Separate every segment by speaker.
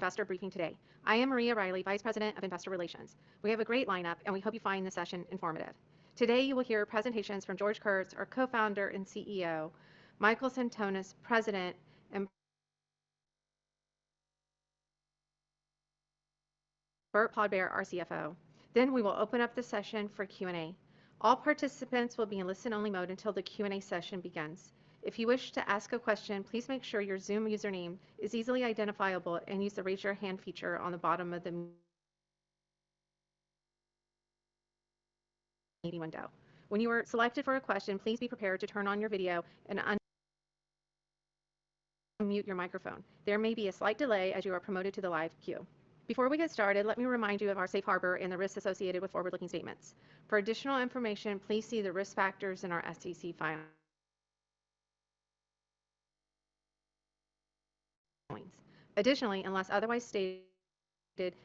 Speaker 1: Investor briefing today. I am Maria Riley, Vice President of Investor Relations. We have a great lineup, and we hope you find this session informative. Today, you will hear presentations from George Kurtz, our Co-Founder and CEO, Michael Sentonas, President, and Burt Podbere, our CFO. We will open up the session for Q&A. All participants will be in listen-only mode until the Q&A session begins. If you wish to ask a question, please make sure your Zoom username is easily identifiable and use the Raise Your Hand feature on the bottom of the meeting window. When you are selected for a question, please be prepared to turn on your video and un-mute your microphone. There may be a slight delay as you are promoted to the live queue. Before we get started, let me remind you of our safe harbor and the risks associated with forward-looking statements. For additional information, please see the Risk Factors in our SEC filings. Additionally, unless otherwise stated,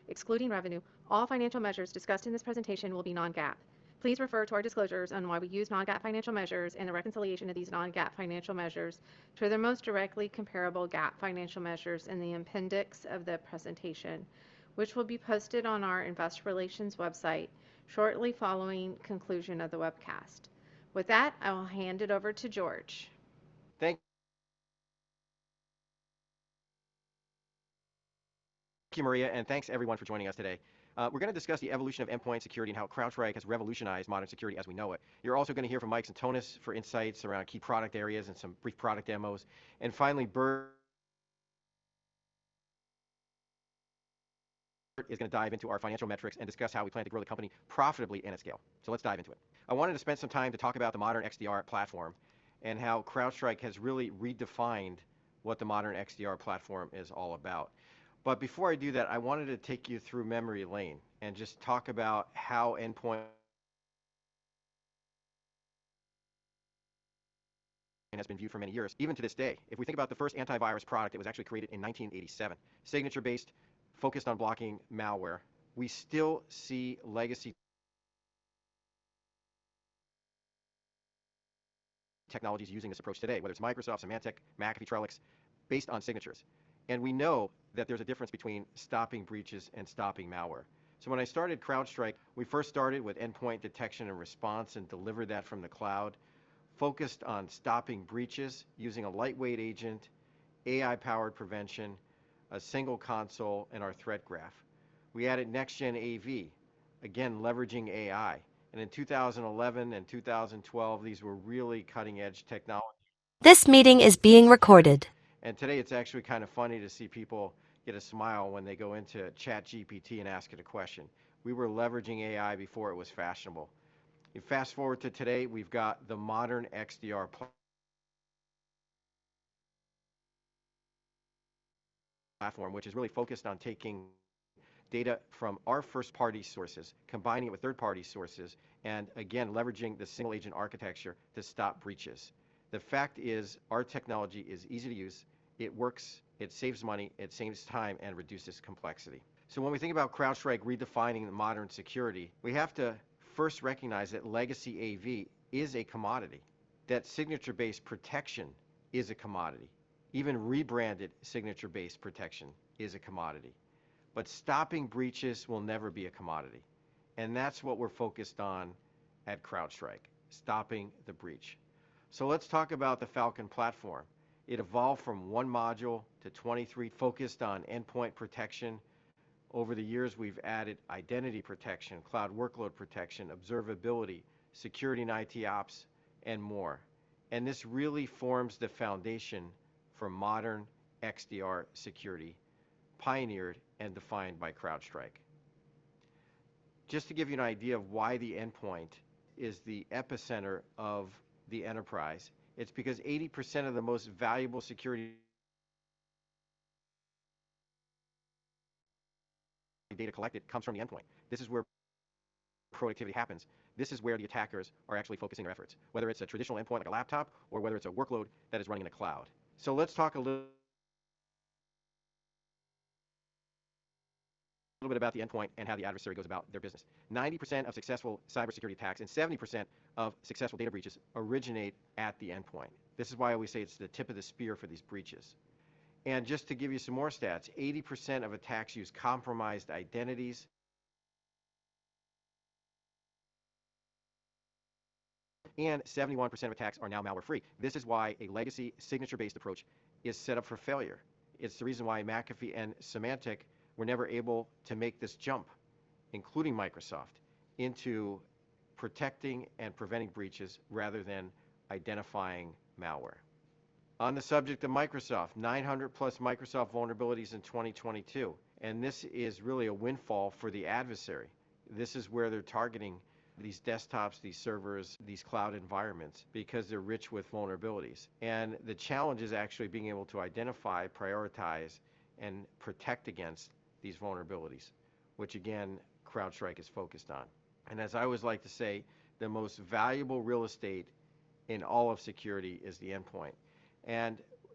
Speaker 1: excluding revenue, all financial measures discussed in this presentation will be non-GAAP. Please refer to our disclosures on why we use non-GAAP financial measures and the reconciliation of these non-GAAP financial measures to their most directly comparable GAAP financial measures in the appendix of the presentation, which will be posted on our investor relations website shortly following conclusion of the webcast. With that, I will hand it over to George.
Speaker 2: Thank you, Maria. Thanks everyone for joining us today. We're gonna discuss the evolution of endpoint security and how CrowdStrike has revolutionized modern security as we know it. You're also gonna hear from Michael Sentonas for insights around key product areas and some brief product demos. Finally, Burt is gonna dive into our financial metrics and discuss how we plan to grow the company profitably and at scale. Let's dive into it. I wanted to spend some time to talk about the modern XDR platform and how CrowdStrike has really redefined what the modern XDR platform is all about. Before I do that, I wanted to take you through memory lane and just talk about how endpoint has been viewed for many years. Even to this day, if we think about the first antivirus product, it was actually created in 1987, signature-based, focused on blocking malware. We still see legacy technologies using this approach today, whether it's Microsoft, Symantec, McAfee, Trellix, based on signatures. We know that there's a difference between stopping breaches and stopping malware. When I started CrowdStrike, we first started with endpoint detection and response and delivered that from the cloud, focused on stopping breaches using a lightweight agent, AI-powered prevention, a single console, and our threat graph. We added next gen AV, again leveraging AI. In 2011 and 2012, these were really cutting-edge technologies.
Speaker 3: This meeting is being recorded.
Speaker 2: Today, it's actually kind of funny to see people get a smile when they go into ChatGPT and ask it a question. We were leveraging AI before it was fashionable. You fast-forward to today, we've got the modern XDR platform, which is really focused on taking data from our first-party sources, combining it with third-party sources, and again leveraging the single agent architecture to stop breaches. The fact is, our technology is easy to use. It works, it saves money, it saves time, and reduces complexity. When we think about CrowdStrike redefining the modern security, we have to first recognize that legacy AV is a commodity, that signature-based protection is a commodity. Even rebranded signature-based protection is a commodity. Stopping breaches will never be a commodity, and that's what we're focused on at CrowdStrike, stopping the breach. Let's talk about the Falcon platform. It evolved from one module to 23, focused on endpoint protection. Over the years, we've added identity protection, cloud workload protection, observability, security and IT ops, and more. This really forms the foundation for modern XDR security, pioneered and defined by CrowdStrike. Just to give you an idea of why the endpoint is the epicenter of the enterprise, it's because 80% of the most valuable security data collected comes from the endpoint. This is where productivity happens. This is where the attackers are actually focusing their efforts, whether it's a traditional endpoint like a laptop, or whether it's a workload that is running in a cloud. Let's talk a little bit about the endpoint and how the adversary goes about their business. 90% of successful cybersecurity attacks and 70% of successful data breaches originate at the endpoint. This is why I always say it's the tip of the spear for these breaches. Just to give you some more stats, 80% of attacks use compromised identities, and 71% of attacks are now malware-free. This is why a legacy signature-based approach is set up for failure. It's the reason why McAfee and Symantec were never able to make this jump, including Microsoft, into protecting and preventing breaches rather than identifying malware. On the subject of Microsoft, 900+ Microsoft vulnerabilities in 2022, this is really a windfall for the adversary. This is where they're targeting these desktops, these servers, these cloud environments because they're rich with vulnerabilities. The challenge is actually being able to identify, prioritize, and protect against these vulnerabilities, which again, CrowdStrike is focused on. As I always like to say, the most valuable real estate in all of security is the endpoint.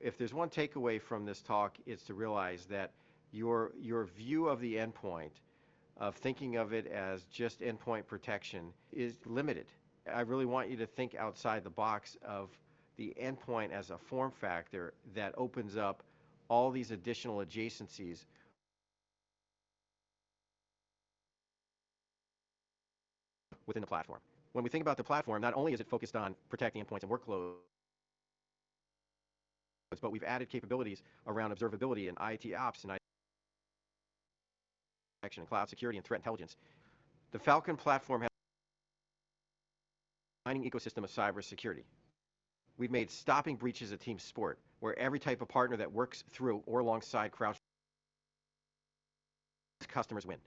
Speaker 2: If there's one takeaway from this talk, it's to realize that your view of the endpoint of thinking of it as just endpoint protection is limited. I really want you to think outside the box of the endpoint as a form factor that opens up all these additional adjacencies within the platform. When we think about the platform, not only is it focused on protecting endpoints and workloads, but we've added capabilities around observability and IT ops and IT action and cloud security and threat intelligence. The Falcon platform has mining ecosystem of cybersecurity. We've made stopping breaches a team sport, where every type of partner that works through or alongside CrowdStrike customers win.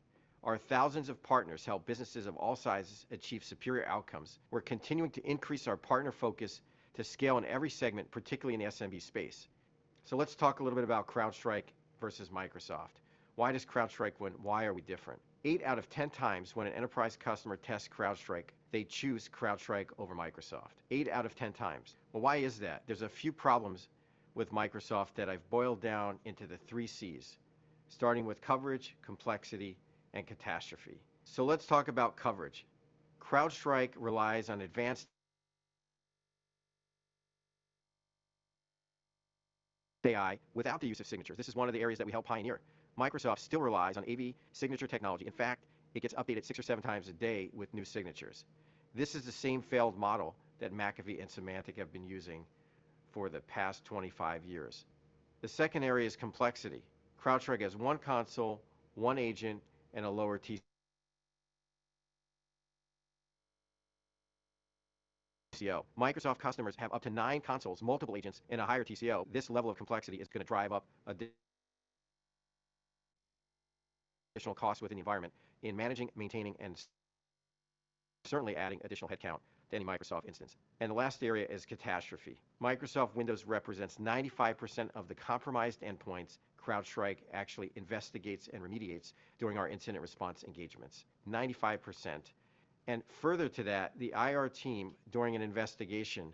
Speaker 2: Our thousands of partners help businesses of all sizes achieve superior outcomes. We're continuing to increase our partner focus to scale in every segment, particularly in the SMB space. Let's talk a little bit about CrowdStrike versus Microsoft. Why does CrowdStrike win? Why are we different? Eight out of 10x when an enterprise customer tests CrowdStrike, they choose CrowdStrike over Microsoft. Eight out of 10x. Well, why is that? There's a few problems with Microsoft that I've boiled down into the three C's, starting with coverage, complexity, and catastrophe. Let's talk about coverage. CrowdStrike relies on advanced AI without the use of signatures. This is one of the areas that we help pioneer. Microsoft still relies on AV signature technology. In fact, it gets updated six or seven times a day with new signatures. This is the same failed model that McAfee and Symantec have been using for the past 25 years. The second area is complexity. CrowdStrike has one console, one agent, and a lower TCO. Microsoft customers have up to nine consoles, multiple agents, and a higher TCO. This level of complexity is going to drive up additional costs within the environment in managing, maintaining, and certainly adding additional headcount to any Microsoft instance. The last area is catastrophe. Microsoft Windows represents 95% of the compromised endpoints CrowdStrike actually investigates and remediates during our incident response engagements. 95%. Further to that, the IR team, during an investigation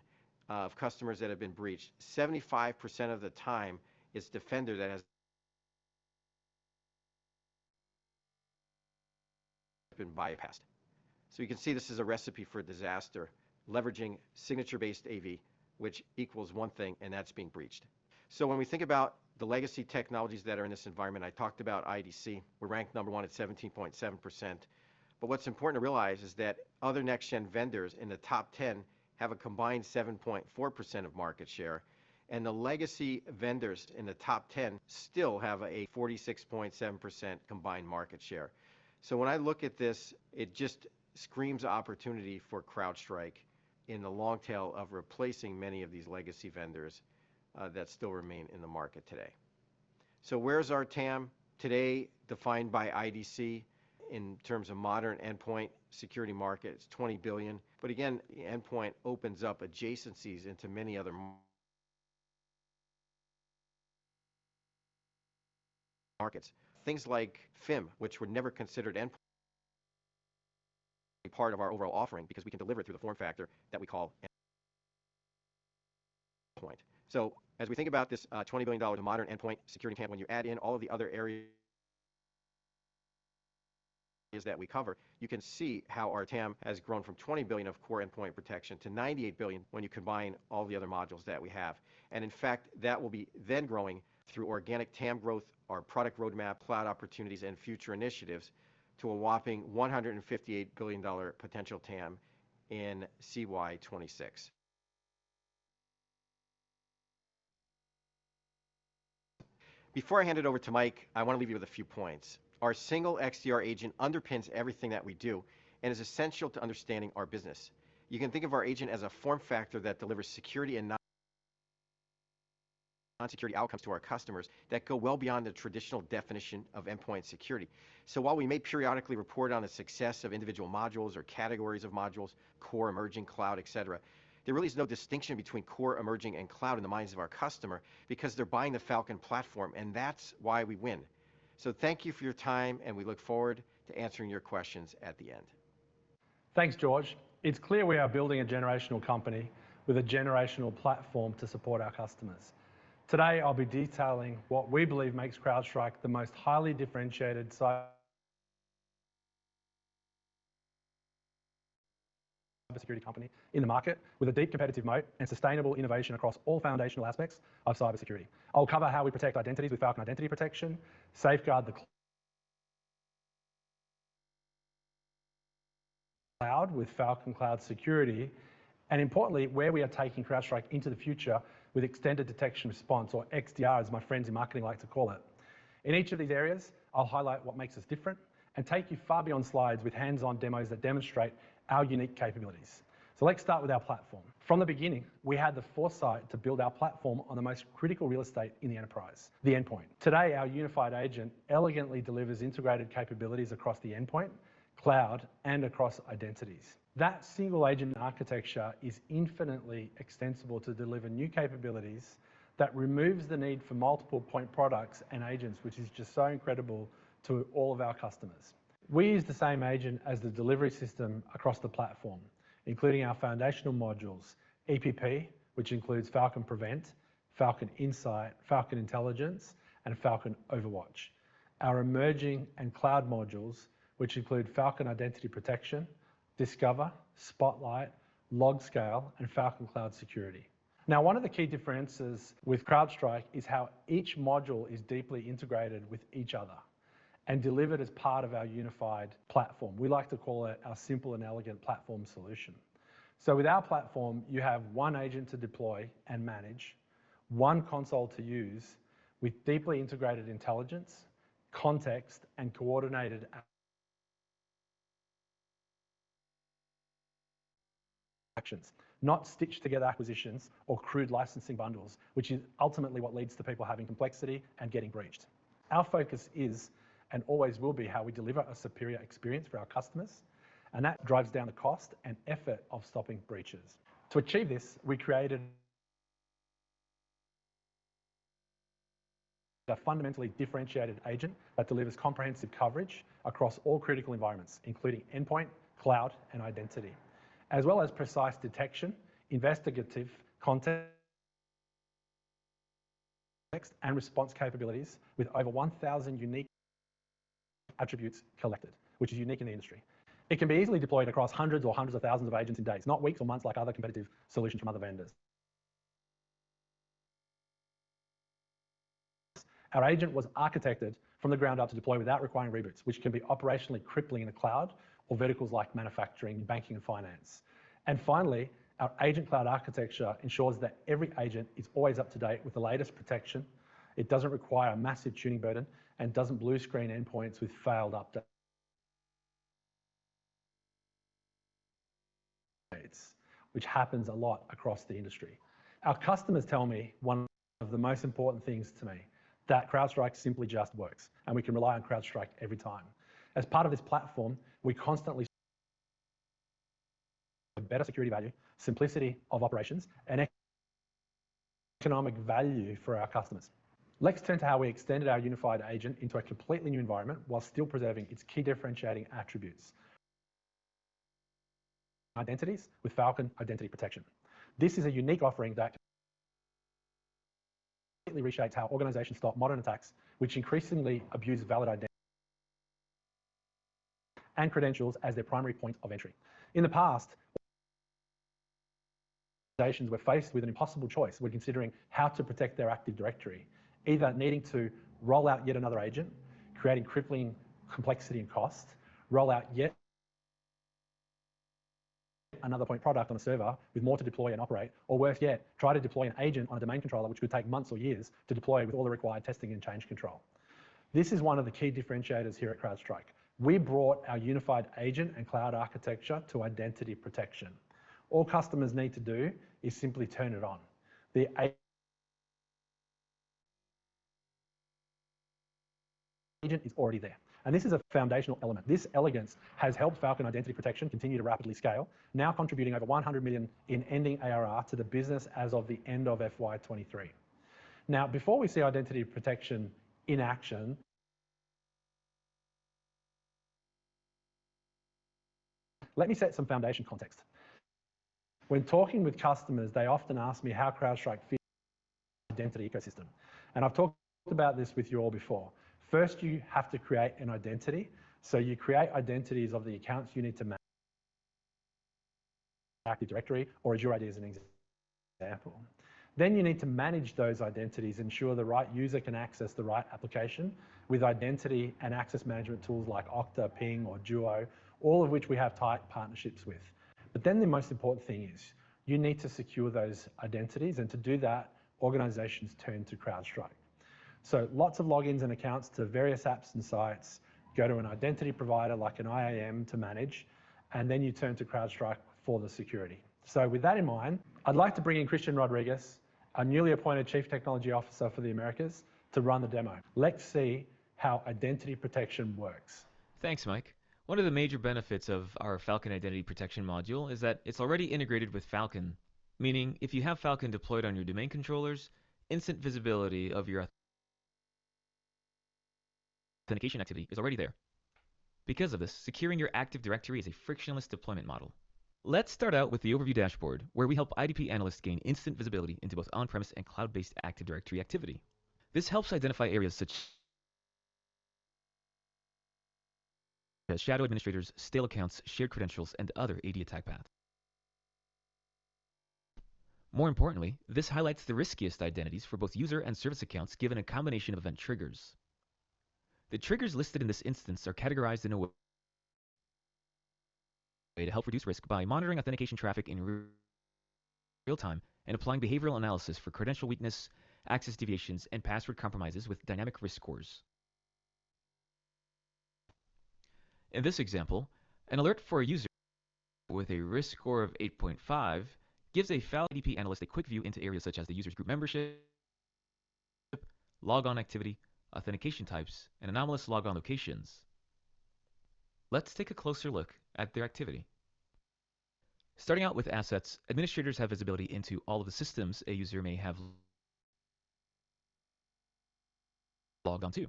Speaker 2: of customers that have been breached, 75% of the time is Defender that has been bypassed. You can see this is a recipe for disaster, leveraging signature-based AV, which equals one thing, and that's being breached. When we think about the legacy technologies that are in this environment, I talked about IDC. We're ranked number one at 17.7%. What's important to realize is that other next-gen vendors in the top 10 have a combined 7.4% of market share, and the legacy vendors in the top 10 still have a 46.7% combined market share. When I look at this, it just screams opportunity for CrowdStrike in the long tail of replacing many of these legacy vendors that still remain in the market today. Where's our TAM today defined by IDC in terms of modern endpoint security market? It's $20 billion. Again, the endpoint opens up adjacencies into many other markets. Things like FIM, which were never considered endpoint, a part of our overall offering because we can deliver it through the form factor that we call endpoint. As we think about this, $20 billion to modern endpoint security TAM, when you add in all of the other areas that we cover, you can see how our TAM has grown from $20 billion of core endpoint protection to $98 billion when you combine all the other modules that we have. In fact, that will be then growing through organic TAM growth, our product roadmap, cloud opportunities, and future initiatives to a whopping $158 billion potential TAM in CY 2026. Before I hand it over to Mike, I want to leave you with a few points. Our single XDR agent underpins everything that we do and is essential to understanding our business. You can think of our agent as a form factor that delivers security and non-security outcomes to our customers that go well beyond the traditional definition of endpoint security. While we may periodically report on the success of individual modules or categories of modules, core, emerging, cloud, et cetera, there really is no distinction between core, emerging, and cloud in the minds of our customer because they're buying the Falcon platform, and that's why we win. Thank you for your time, and we look forward to answering your questions at the end.
Speaker 4: Thanks, George. It's clear we are building a generational company with a generational platform to support our customers. Today, I'll be detailing what we believe makes CrowdStrike the most highly differentiated cybersecurity company in the market with a deep competitive moat and sustainable innovation across all foundational aspects of cybersecurity. I'll cover how we protect identities with Falcon Identity Protection, safeguard the cloud with Falcon Cloud Security, and importantly, where we are taking CrowdStrike into the future with extended detection response, or XDR, as my friends in marketing like to call it. In each of these areas, I'll highlight what makes us different and take you far beyond slides with hands-on demos that demonstrate our unique capabilities. Let's start with our platform. From the beginning, we had the foresight to build our platform on the most critical real estate in the enterprise, the endpoint. Today, our unified agent elegantly delivers integrated capabilities across the endpoint, cloud, and across identities. That single agent architecture is infinitely extensible to deliver new capabilities that removes the need for multiple point products and agents, which is just so incredible to all of our customers. We use the same agent as the delivery system across the platform, including our foundational modules, EPP, which includes Falcon Prevent, Falcon Insight, Falcon Intelligence, and Falcon OverWatch. Our emerging and cloud modules which include Falcon Identity Protection Discover, Spotlight, LogScale, and Falcon Cloud Security. One of the key differences with CrowdStrike is how each module is deeply integrated with each other and delivered as part of our unified platform. We like to call it our simple and elegant platform solution. With our platform, you have one agent to deploy and manage, one console to use with deeply integrated intelligence, context, and coordinated actions. Not stitched together acquisitions or crude licensing bundles, which is ultimately what leads to people having complexity and getting breached. Our focus is and always will be how we deliver a superior experience for our customers, and that drives down the cost and effort of stopping breaches. To achieve this, we created a fundamentally differentiated agent that delivers comprehensive coverage across all critical environments, including endpoint, cloud, and identity. As well as precise detection, investigative content, text, and response capabilities with over 1,000 unique attributes collected, which is unique in the industry. It can be easily deployed across hundreds or hundreds of thousands of agents in days, not weeks or months like other competitive solutions from other vendors. Our agent was architected from the ground up to deploy without requiring reboots, which can be operationally crippling in the cloud or verticals like manufacturing, banking, and finance. Finally, our agent cloud architecture ensures that every agent is always up to date with the latest protection, it doesn't require a massive tuning burden, and doesn't blue screen endpoints with failed updates, which happens a lot across the industry. Our customers tell me one of the most important things to me, that CrowdStrike simply just works, and we can rely on CrowdStrike every time. As part of this platform, we constantly better security value, simplicity of operations, and economic value for our customers. Let's turn to how we extended our unified agent into a completely new environment while still preserving its key differentiating attributes. Identities with Falcon Identity Protection. This is a unique offering that reshapes how organizations stop modern attacks, which increasingly abuse valid and credentials as their primary point of entry. In the past, nations were faced with an impossible choice when considering how to protect their Active Directory, either needing to roll out yet another agent, creating crippling complexity and cost, roll out yet another point product on a server with more to deploy and operate, or worse yet, try to deploy an agent on a domain controller, which would take months or years to deploy with all the required testing and change control. This is one of the key differentiators here at CrowdStrike. We brought our unified agent and cloud architecture to identity protection. All customers need to do is simply turn it on. The agent is already there, and this is a foundational element. This elegance has helped Falcon Identity Protection continue to rapidly scale, now contributing over $100 million in ending ARR to the business as of the end of FY 2023. Before we see Identity Protection in action, let me set some foundation context. When talking with customers, they often ask me how CrowdStrike fits identity ecosystem, I've talked about this with you all before. You have to create an identity. You create identities of the accounts you need to Active Directory or Azure AD as an example. You need to manage those identities, ensure the right user can access the right application with identity and access management tools like Okta, Ping, or Duo, all of which we have tight partnerships with. The most important thing is you need to secure those identities, to do that, organizations turn to CrowdStrike. Lots of logins and accounts to various apps and sites go to an identity provider like an IAM to manage, and then you turn to CrowdStrike for the security. With that in mind, I'd like to bring in Cristian Rodriguez, our newly appointed Chief Technology Officer for the Americas, to run the demo. Let's see how identity protection works.
Speaker 5: Thanks, Mike. One of the major benefits of our Falcon Identity Protection module is that it's already integrated with Falcon, meaning if you have Falcon deployed on your domain controllers, instant visibility of your authentication activity is already there. Because of this, securing your Active Directory is a frictionless deployment model. Let's start out with the overview dashboard, where we help IDP analysts gain instant visibility into both on-premise and cloud-based Active Directory activity. This helps identify areas such as shadow administrators, stale accounts, shared credentials, and other AD attack paths. More importantly, this highlights the riskiest identities for both user and service accounts given a combination of event triggers. The triggers listed in this instance are categorized in a way to help reduce risk by monitoring authentication traffic in real-time and applying behavioral analysis for credential weakness, access deviations, and password compromises with dynamic risk scores. In this example, an alert for a user with a risk score of 8.5 gives a Falcon IDP analyst a quick view into areas such as the user's group membership, logon activity, authentication types, and anomalous logon locations. Let's take a closer look at their activity. Starting out with assets, administrators have visibility into all of the systems a user may have logged on to.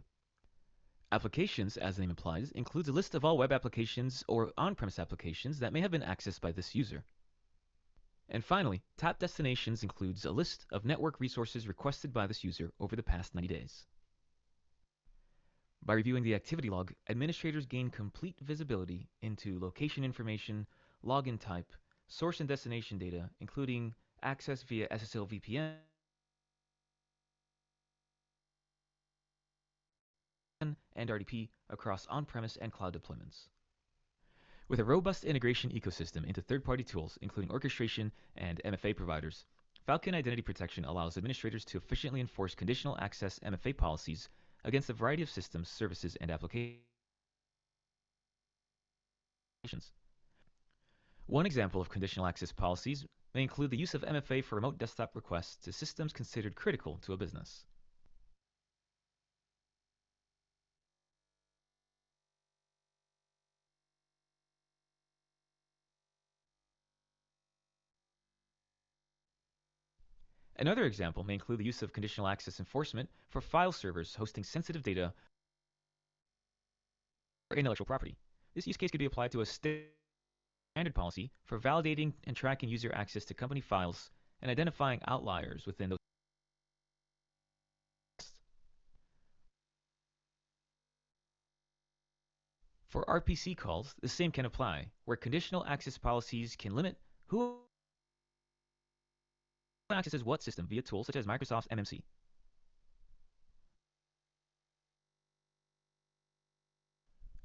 Speaker 5: Applications, as the name implies, includes a list of all web applications or on-premise applications that may have been accessed by this user. Finally, Top Destinations includes a list of network resources requested by this user over the past 90 days. By reviewing the activity log, administrators gain complete visibility into location information, login type, source and destination data, including access via SSL VPN and RDP across on-premise and cloud deployments.
Speaker 6: With a robust integration ecosystem into third-party tools, including orchestration and MFA providers, Falcon Identity Protection allows administrators to efficiently enforce conditional access MFA policies against a variety of systems, services, and applications. One example of conditional access policies may include the use of MFA for remote desktop requests to systems considered critical to a business. Another example may include the use of conditional access enforcement for file servers hosting sensitive data or intellectual property. This use case could be applied to a standard policy for validating and tracking user access to company files and identifying outliers within those. For RPC calls, the same can apply, where conditional access policies can limit who accesses what system via tools such as Microsoft's MMC.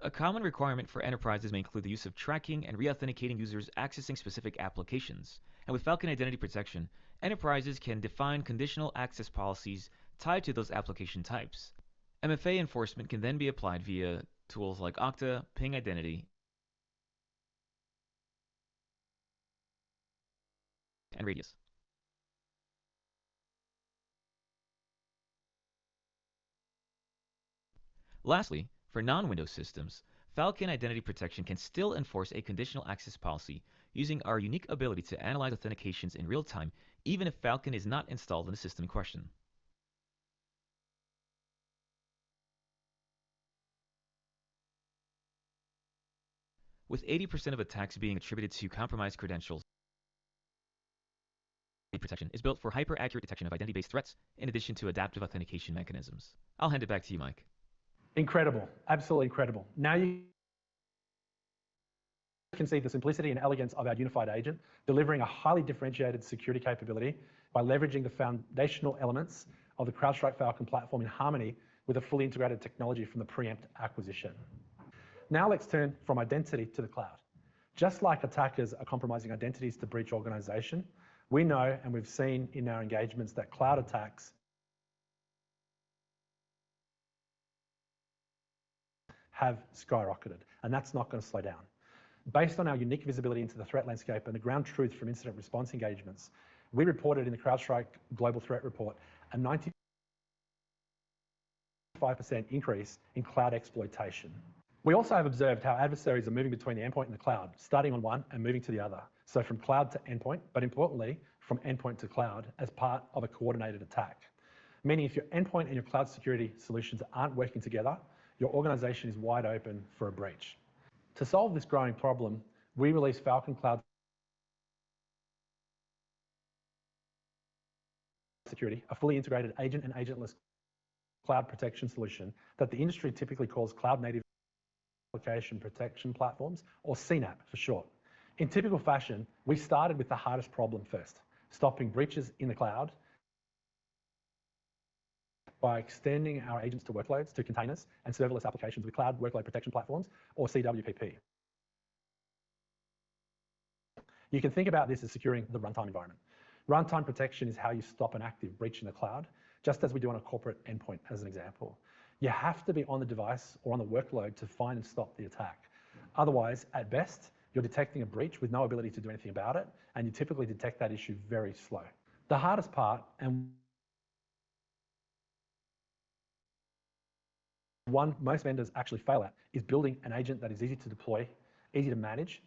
Speaker 6: A common requirement for enterprises may include the use of tracking and reauthenticating users accessing specific applications.
Speaker 5: With Falcon Identity Protection, enterprises can define conditional access policies tied to those application types. MFA enforcement can then be applied via tools like Okta, Ping Identity, and RADIUS. Lastly, for non-Windows systems, Falcon Identity Protection can still enforce a conditional access policy using our unique ability to analyze authentications in real time, even if Falcon is not installed on the system in question. With 80% of attacks being attributed to compromised credentials, protection is built for hyper-accurate detection of identity-based threats in addition to adaptive authentication mechanisms. I'll hand it back to you, Mike.
Speaker 4: Incredible. Absolutely incredible. You can see the simplicity and elegance of our unified agent delivering a highly differentiated security capability by leveraging the foundational elements of the CrowdStrike Falcon platform in harmony with a fully integrated technology from the Preempt acquisition. Let's turn from identity to the cloud. Just like attackers are compromising identities to breach organization, we know and we've seen in our engagements that cloud attacks have skyrocketed, and that's not going to slow down. Based on our unique visibility into the threat landscape and the ground truth from incident response engagements, we reported in the CrowdStrike Global Threat Report a 95% increase in cloud exploitation. We also have observed how adversaries are moving between the endpoint and the cloud, starting on one and moving to the other. From cloud to endpoint, but importantly, from endpoint to cloud as part of a coordinated attack. Meaning if your endpoint and your cloud security solutions aren't working together, your organization is wide open for a breach. To solve this growing problem, we released Falcon Cloud Security, a fully integrated agent and agentless cloud protection solution that the industry typically calls Cloud Native Application Protection Platforms, or CNAPP for short. In typical fashion, we started with the hardest problem first, stopping breaches in the cloud by extending our agents to workloads, to containers, and serverless applications with Cloud Workload Protection Platforms, or CWPP. You can think about this as securing the runtime environment. Runtime protection is how you stop an active breach in the cloud, just as we do on a corporate endpoint as an example. You have to be on the device or on the workload to find and stop the attack. Otherwise, at best, you're detecting a breach with no ability to do anything about it, and you typically detect that issue very slow. The hardest part, and one most vendors actually fail at, is building an agent that is easy to deploy, easy to manage,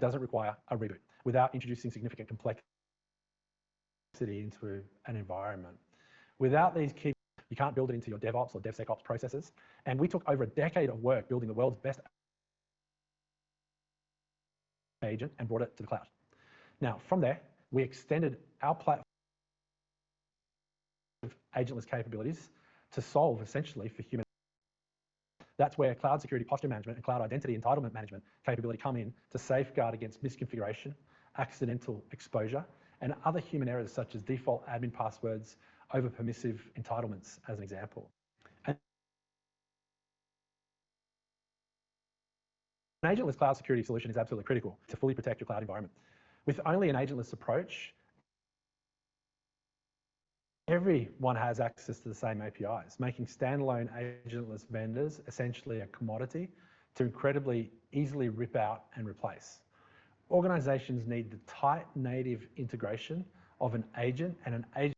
Speaker 4: doesn't require a reboot without introducing significant complexity into an environment. Without these key, you can't build it into your DevOps or DevSecOps processes. We took over a decade of work building the world's best agent and brought it to the cloud. Now, from there, we extended our with agentless capabilities to solve essentially for human. That's where cloud security posture management and cloud identity entitlement management capability come in to safeguard against misconfiguration, accidental exposure, and other human errors such as default admin passwords, over-permissive entitlements, as an example. An agentless cloud security solution is absolutely critical to fully protect your cloud environment. With only an agentless approach, everyone has access to the same APIs, making standalone agentless vendors essentially a commodity to incredibly easily rip out and replace. Organizations need the tight native integration of an agent and an agent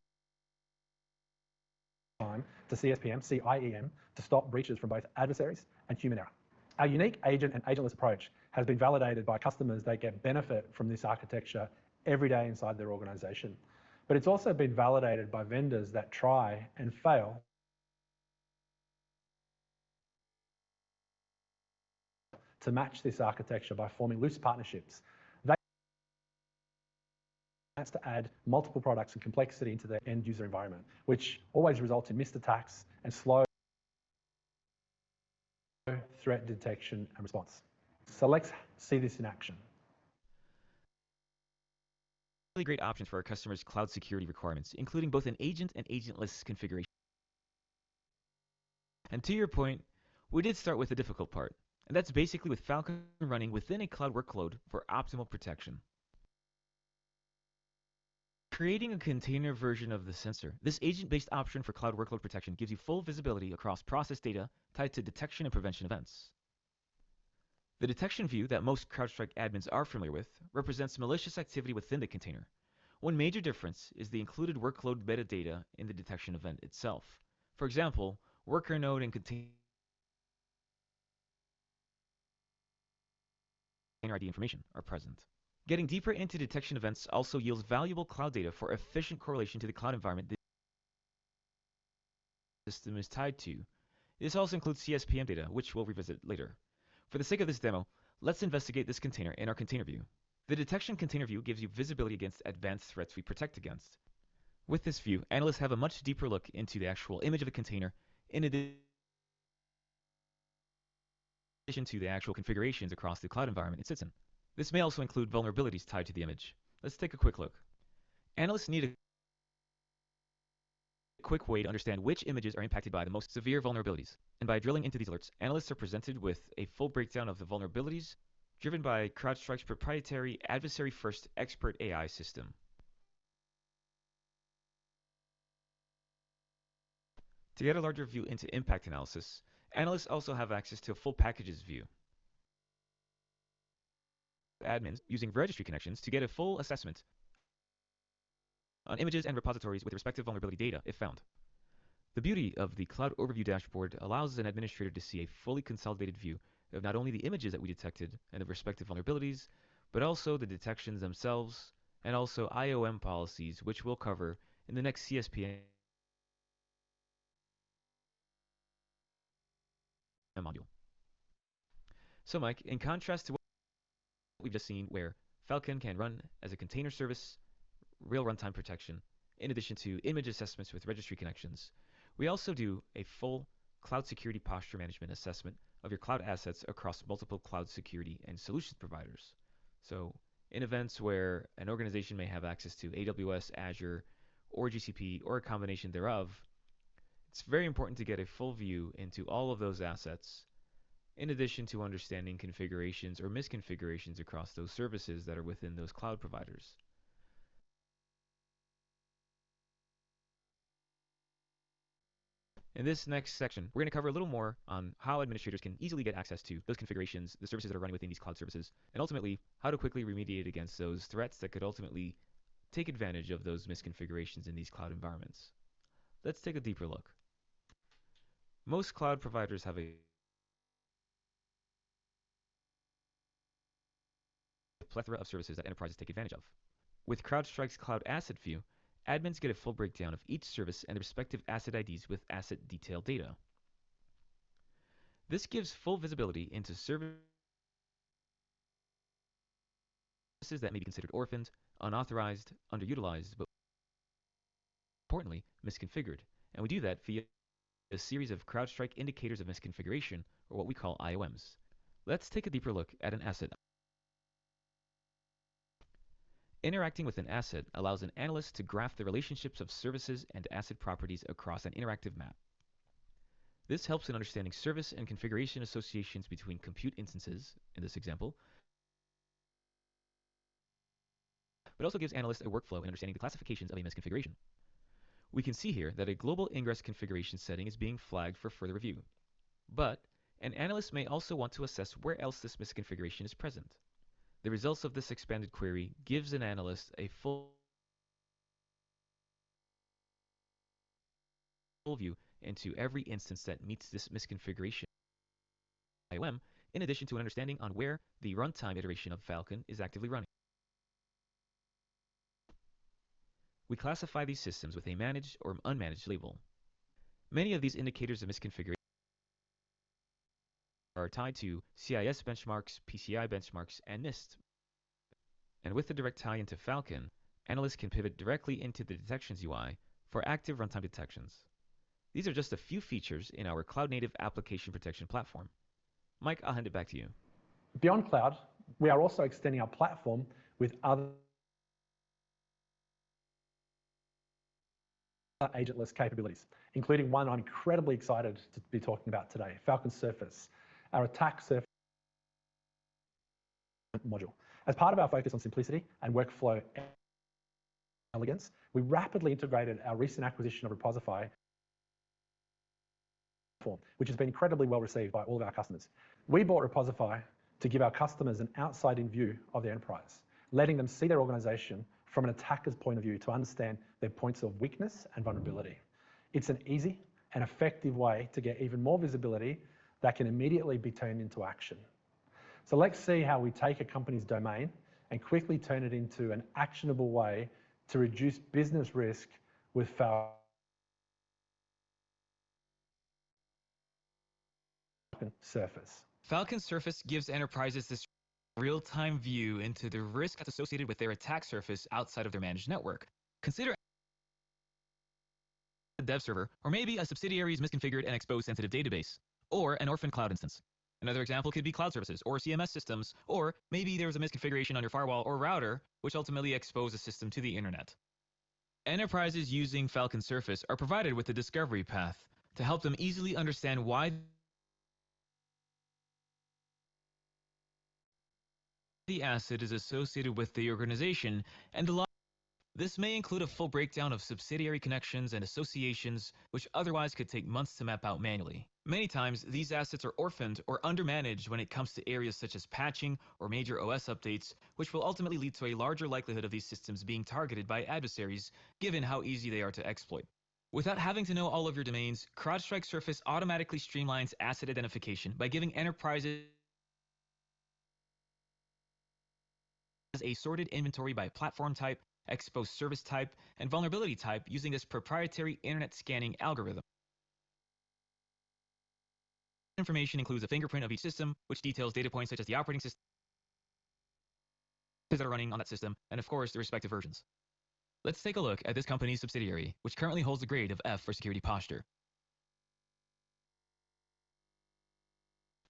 Speaker 4: time to CSPM, CIEM to stop breaches from both adversaries and human error. Our unique agent and agentless approach has been validated by customers that get benefit from this architecture every day inside their organization. It's also been validated by vendors that try and fail to match this architecture by forming loose partnerships. They has to add multiple products and complexity into their end user environment, which always results in missed attacks and slow threat detection and response. Let's see this in action.
Speaker 5: Really great option for our customers' cloud security requirements, including both an agent and agentless configuration. To your point, we did start with the difficult part, and that's basically with Falcon running within a cloud workload for optimal protection. Creating a container version of the sensor. This agent-based option for cloud workload protection gives you full visibility across process data tied to detection and prevention events. The detection view that most CrowdStrike admins are familiar with represents malicious activity within the container. One major difference is the included workload metadata in the detection event itself. For example, worker node and contain ID information are present. Getting deeper into detection events also yields valuable cloud data for efficient correlation to the cloud environment the system is tied to. This also includes CSPM data, which we'll revisit later. For the sake of this demo, let's investigate this container in our container view. The detection container view gives you visibility against advanced threats we protect against. With this view, analysts have a much deeper look into the actual image of a container in addition to the actual configurations across the cloud environment it sits in. This may also include vulnerabilities tied to the image. Let's take a quick look. Analysts need a quick way to understand which images are impacted by the most severe vulnerabilities. By drilling into these alerts, analysts are presented with a full breakdown of the vulnerabilities driven by CrowdStrike's proprietary adversary first expert AI system. To get a larger view into impact analysis, analysts also have access to a full packages view. Admins using registry connections to get a full assessment on images and repositories with respective vulnerability data if found. The beauty of the cloud overview dashboard allows an administrator to see a fully consolidated view of not only the images that we detected and the respective vulnerabilities, but also the detections themselves, and also IoM policies, which we'll cover in the next CSPM module. Mike, in contrast to what we've just seen, where Falcon can run as a container service, real runtime protection, in addition to image assessments with registry connections, we also do a full cloud security posture management assessment of your cloud assets across multiple cloud security and solutions providers. In events where an organization may have access to AWS, Azure, or GCP, or a combination thereof, it's very important to get a full view into all of those assets in addition to understanding configurations or misconfigurations across those services that are within those cloud providers. In this next section, we're going to cover a little more on how administrators can easily get access to those configurations, the services that are running within these cloud services, and ultimately, how to quickly remediate against those threats that could ultimately take advantage of those misconfigurations in these cloud environments. Let's take a deeper look. Most cloud providers have a plethora of services that enterprises take advantage of. With CrowdStrike's cloud asset view, admins get a full breakdown of each service and their respective asset IDs with asset detail data. This gives full visibility into services that may be considered orphaned, unauthorized, underutilized, but importantly misconfigured. We do that via a series of CrowdStrike Indicators of Misconfiguration or what we call IOMs. Let's take a deeper look at an asset. Interacting with an asset allows an analyst to graph the relationships of services and asset properties across an interactive map. This helps in understanding service and configuration associations between compute instances in this example. Also gives analysts a workflow in understanding the classifications of a misconfiguration. We can see here that a global ingress configuration setting is being flagged for further review. An analyst may also want to assess where else this misconfiguration is present. The results of this expanded query gives an analyst a full view into every instance that meets this misconfiguration IoM, in addition to an understanding on where the runtime iteration of Falcon is actively running. We classify these systems with a managed or unmanaged label. Many of these indicators of misconfiguration are tied to CIS benchmarks, PCI benchmarks, and NIST. With the direct tie-in to Falcon, analysts can pivot directly into the detections UI for active runtime detections. These are just a few features in our Cloud Native Application Protection Platform. Mike, I'll hand it back to you.
Speaker 4: Beyond cloud, we are also extending our platform with other agentless capabilities, including one I'm incredibly excited to be talking about today, Falcon Surface, our attack surface module. As part of our focus on simplicity and workflow elegance, we rapidly integrated our recent acquisition of Reposify, which has been incredibly well received by all of our customers. We bought Reposify to give our customers an outside-in view of their enterprise, letting them see their organization from an attacker's point of view to understand their points of weakness and vulnerability. It's an easy and effective way to get even more visibility that can immediately be turned into action. So let's see how we take a company's domain and quickly turn it into an actionable way to reduce business risk with Falcon Surface.
Speaker 5: Falcon Surface gives enterprises this real-time view into the risk associated with their attack surface outside of their managed network. Consider... a dev server or maybe a subsidiary's misconfigured and exposed sensitive database or an orphan cloud instance. Another example could be cloud services or CMS systems, or maybe there was a misconfiguration on your firewall or router which ultimately exposed a system to the Internet. Enterprises using Falcon Surface are provided with a discovery path to help them easily understand why... the asset is associated with the organization. This may include a full breakdown of subsidiary connections and associations which otherwise could take months to map out manually. Many times, these assets are orphaned or under-managed when it comes to areas such as patching or major OS updates, which will ultimately lead to a larger likelihood of these systems being targeted by adversaries, given how easy they are to exploit. Without having to know all of your domains, CrowdStrike Surface automatically streamlines asset identification by giving enterprises a sorted inventory by platform type, expo service type, and vulnerability type using this proprietary Internet scanning algorithm. Information includes a fingerprint of each system which details data points such as the operating system are running on that system, and of course, the respective versions. Let's take a look at this company's subsidiary, which currently holds a grade of F for security posture.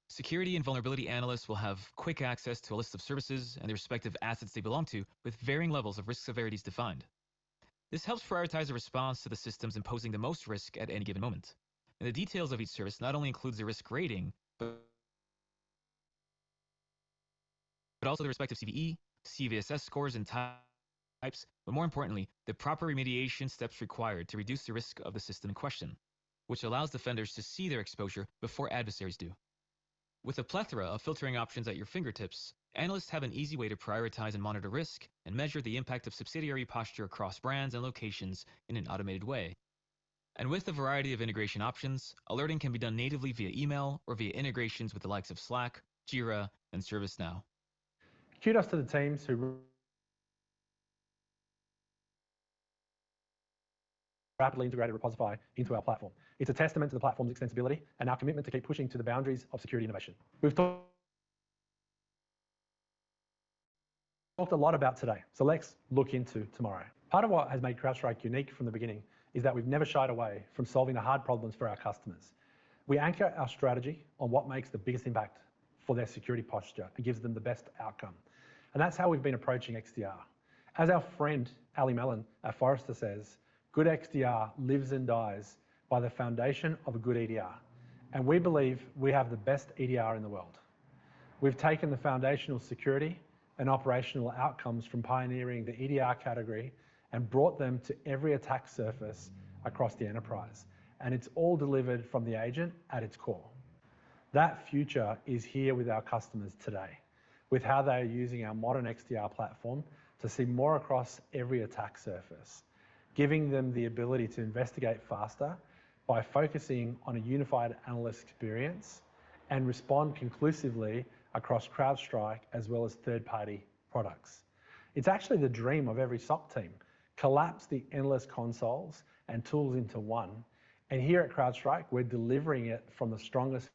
Speaker 5: Security and vulnerability analysts will have quick access to a list of services and the respective assets they belong to with varying levels of risk severities defined. This helps prioritize a response to the systems imposing the most risk at any given moment. The details of each service not only includes the risk rating, but also the respective CVE, CVSS scores and types, but more importantly, the proper remediation steps required to reduce the risk of the system in question, which allows defenders to see their exposure before adversaries do. With a plethora of filtering options at your fingertips, analysts have an easy way to prioritize and monitor risk and measure the impact of subsidiary posture across brands and locations in an automated way. With the variety of integration options, alerting can be done natively via email or via integrations with the likes of Slack, Jira, and ServiceNow.
Speaker 4: Kudos to the teams who rapidly integrated Reposify into our platform. It's a testament to the platform's extensibility and our commitment to keep pushing to the boundaries of security innovation. We've talked a lot about today. Let's look into tomorrow. Part of what has made CrowdStrike unique from the beginning is that we've never shied away from solving the hard problems for our customers. We anchor our strategy on what makes the biggest impact for their security posture and gives them the best outcome. That's how we've been approaching XDR. As our friend, Allie Mellen at Forrester says, "Good XDR lives and dies by the foundation of a good EDR." We believe we have the best EDR in the world. We've taken the foundational security and operational outcomes from pioneering the EDR category and brought them to every attack surface across the enterprise. It's all delivered from the agent at its core. That future is here with our customers today with how they are using our modern XDR platform to see more across every attack surface, giving them the ability to investigate faster by focusing on a unified analyst experience and respond conclusively across CrowdStrike as well as third-party products. It's actually the dream of every SOC team. Collapse the endless consoles and tools into one. Here at CrowdStrike, we're delivering it from the strongest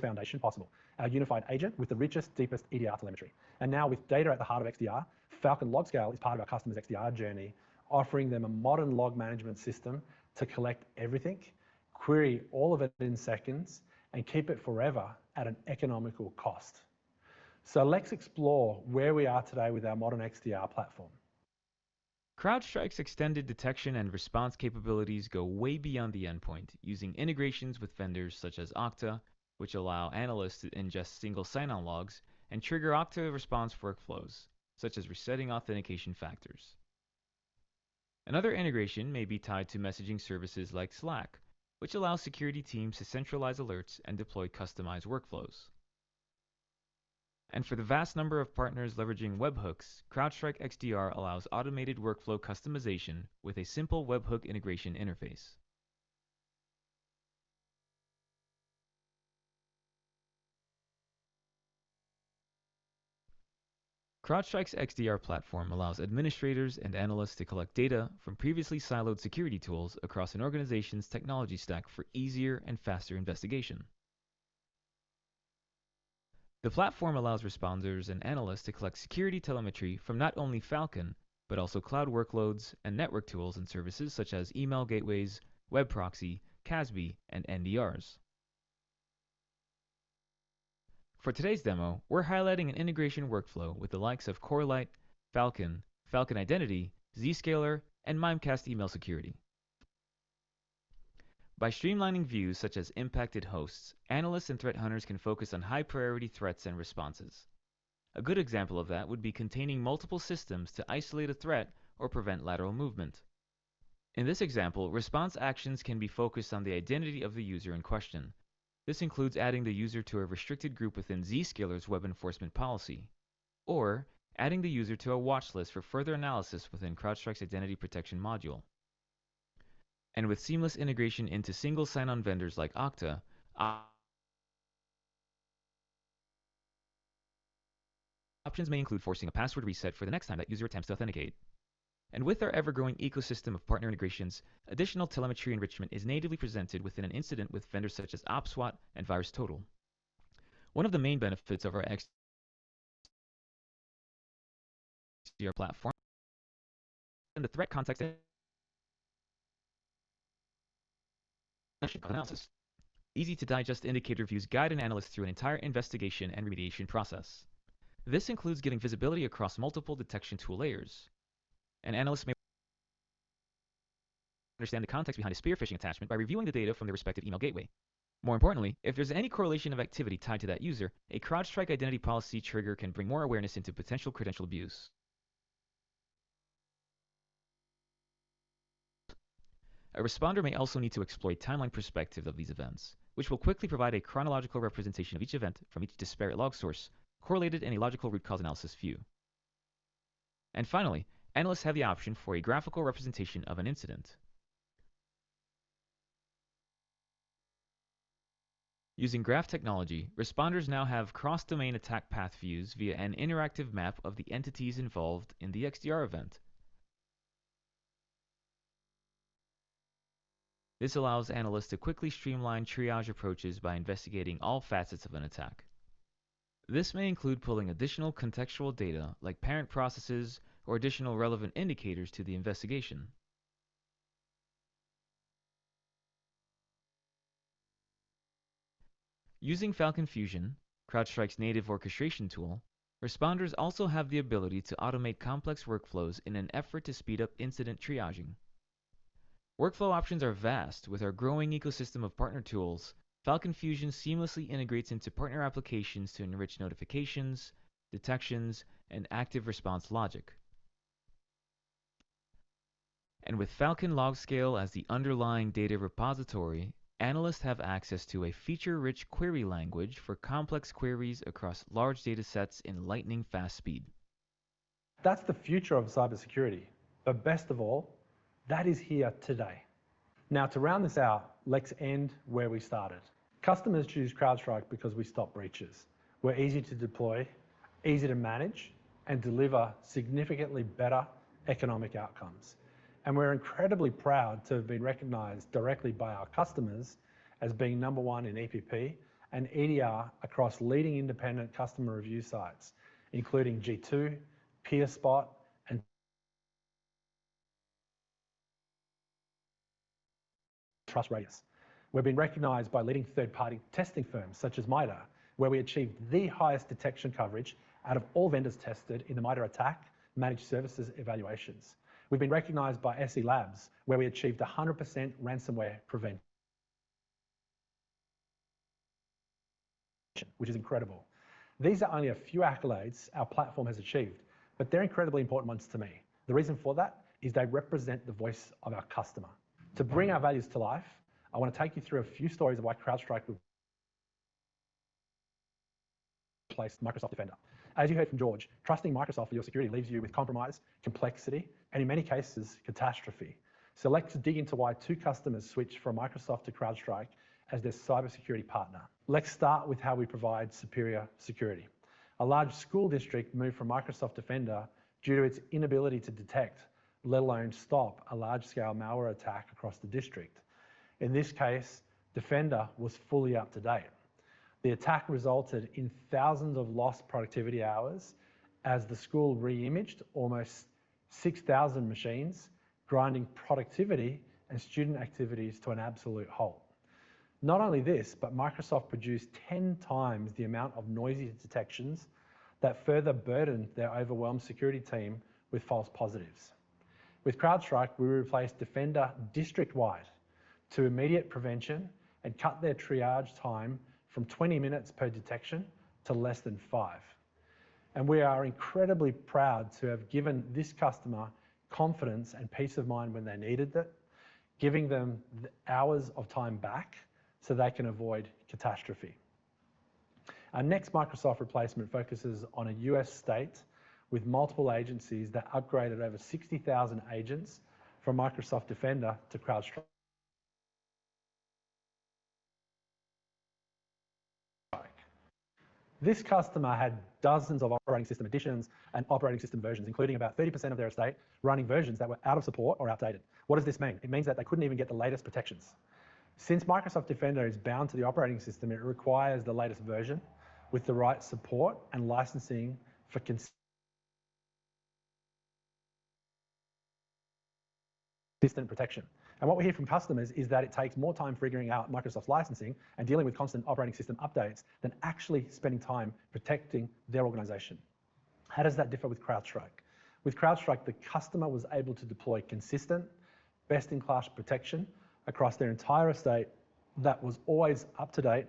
Speaker 4: foundation possible. Our unified agent with the richest, deepest EDR telemetry.
Speaker 5: Now with data at the heart of XDR, Falcon LogScale is part of our customer's XDR journey, offering them a modern log management system to collect everything, query all of it in seconds, and keep it forever at an economical cost. Let's explore where we are today with our modern XDR platform. CrowdStrike's extended detection and response capabilities go way beyond the endpoint using integrations with vendors such as Okta, which allow analysts to ingest single sign-on logs and trigger Okta response workflows, such as resetting authentication factors. Another integration may be tied to messaging services like Slack, which allows security teams to centralize alerts and deploy customized workflows. For the vast number of partners leveraging webhooks, CrowdStrike XDR allows automated workflow customization with a simple webhook integration interface. CrowdStrike's XDR platform allows administrators and analysts to collect data from previously siloed security tools across an organization's technology stack for easier and faster investigation. The platform allows responders and analysts to collect security telemetry from not only Falcon, but also cloud workloads and network tools and services such as email gateways, web proxy, CASB, and NDRs. For today's demo, we're highlighting an integration workflow with the likes of Corelight, Falcon Identity, Zscaler, and Mimecast Email Security. By streamlining views such as impacted hosts, analysts and threat hunters can focus on high-priority threats and responses. A good example of that would be containing multiple systems to isolate a threat or prevent lateral movement. In this example, response actions can be focused on the identity of the user in question. This includes adding the user to a restricted group within Zscaler's web enforcement policy. Adding the user to a watch list for further analysis within CrowdStrike's Identity Protection module. With seamless integration into single sign-on vendors like Okta, options may include forcing a password reset for the next time that user attempts to authenticate. With our ever-growing ecosystem of partner integrations, additional telemetry enrichment is natively presented within an incident with vendors such as OPSWAT and VirusTotal. One of the main benefits of our XDR platform and the threat context analysis. Easy to digest indicator views guide an analyst through an entire investigation and remediation process. This includes getting visibility across multiple detection tool layers. An analyst may understand the context behind a spear phishing attachment by reviewing the data from their respective email gateway. More importantly, if there's any correlation of activity tied to that user, a CrowdStrike identity policy trigger can bring more awareness into potential credential abuse. A responder may also need to exploit timeline perspective of these events, which will quickly provide a chronological representation of each event from each disparate log source correlated in a logical root cause analysis view. Finally, analysts have the option for a graphical representation of an incident. Using graph technology, responders now have cross-domain attack path views via an interactive map of the entities involved in the XDR event. This allows analysts to quickly streamline triage approaches by investigating all facets of an attack. This may include pulling additional contextual data like parent processes or additional relevant indicators to the investigation. Using Falcon Fusion, CrowdStrike's native orchestration tool, responders also have the ability to automate complex workflows in an effort to speed up incident triaging. Workflow options are vast. With our growing ecosystem of partner tools, Falcon Fusion seamlessly integrates into partner applications to enrich notifications, detections, and active response logic. With Falcon LogScale as the underlying data repository, analysts have access to a feature-rich query language for complex queries across large data sets in lightning-fast speed.
Speaker 4: That's the future of cybersecurity. Best of all, that is here today. Now to round this out, let's end where we started. Customers choose CrowdStrike because we stop breaches. We're easy to deploy, easy to manage, and deliver significantly better economic outcomes. We're incredibly proud to have been recognized directly by our customers as being number one in EPP and EDR across leading independent customer review sites, including G2, PeerSpot, and TrustRadius. We've been recognized by leading third-party testing firms such as MITRE, where we achieved the highest detection coverage out of all vendors tested in the MITRE ATT&CK Managed Services evaluations. We've been recognized by SE Labs, where we achieved a 100% ransomware prevention, which is incredible. These are only a few accolades our platform has achieved, but they're incredibly important ones to me. The reason for that is they represent the voice of our customer. To bring our values to life, I want to take you through a few stories of why CrowdStrike replaced Microsoft Defender. As you heard from George, trusting Microsoft for your security leaves you with compromise, complexity, and in many cases, catastrophe. Let's dig into why two customers switched from Microsoft to CrowdStrike as their cybersecurity partner. Let's start with how we provide superior security. A large school district moved from Microsoft Defender due to its inability to detect, let alone stop, a large-scale malware attack across the district. In this case, Defender was fully up to date. The attack resulted in thousands of lost productivity hours as the school re-imaged almost 6,000 machines, grinding productivity and student activities to an absolute halt. Not only this, but Microsoft produced 10 times the amount of noisy detections that further burdened their overwhelmed security team with false positives. With CrowdStrike, we replaced Defender district-wide to immediate prevention and cut their triage time from 20 minutes per detection to less than five. We are incredibly proud to have given this customer confidence and peace of mind when they needed it, giving them the hours of time back so they can avoid catastrophe. Our next Microsoft replacement focuses on a U.S. state with multiple agencies that upgraded over 600 agents from Microsoft Defender to CrowdStrike. This customer had dozens of operating system editions and operating system versions, including about 30% of their estate running versions that were out of support or outdated. What does this mean? It means that they couldn't even get the latest protections. Since Microsoft Defender is bound to the operating system, it requires the latest version with the right support and licensing for consistent protection. What we hear from customers is that it takes more time figuring out Microsoft's licensing and dealing with constant operating system updates than actually spending time protecting their organization. How does that differ with CrowdStrike? With CrowdStrike, the customer was able to deploy consistent best-in-class protection across their entire estate. That was always up to date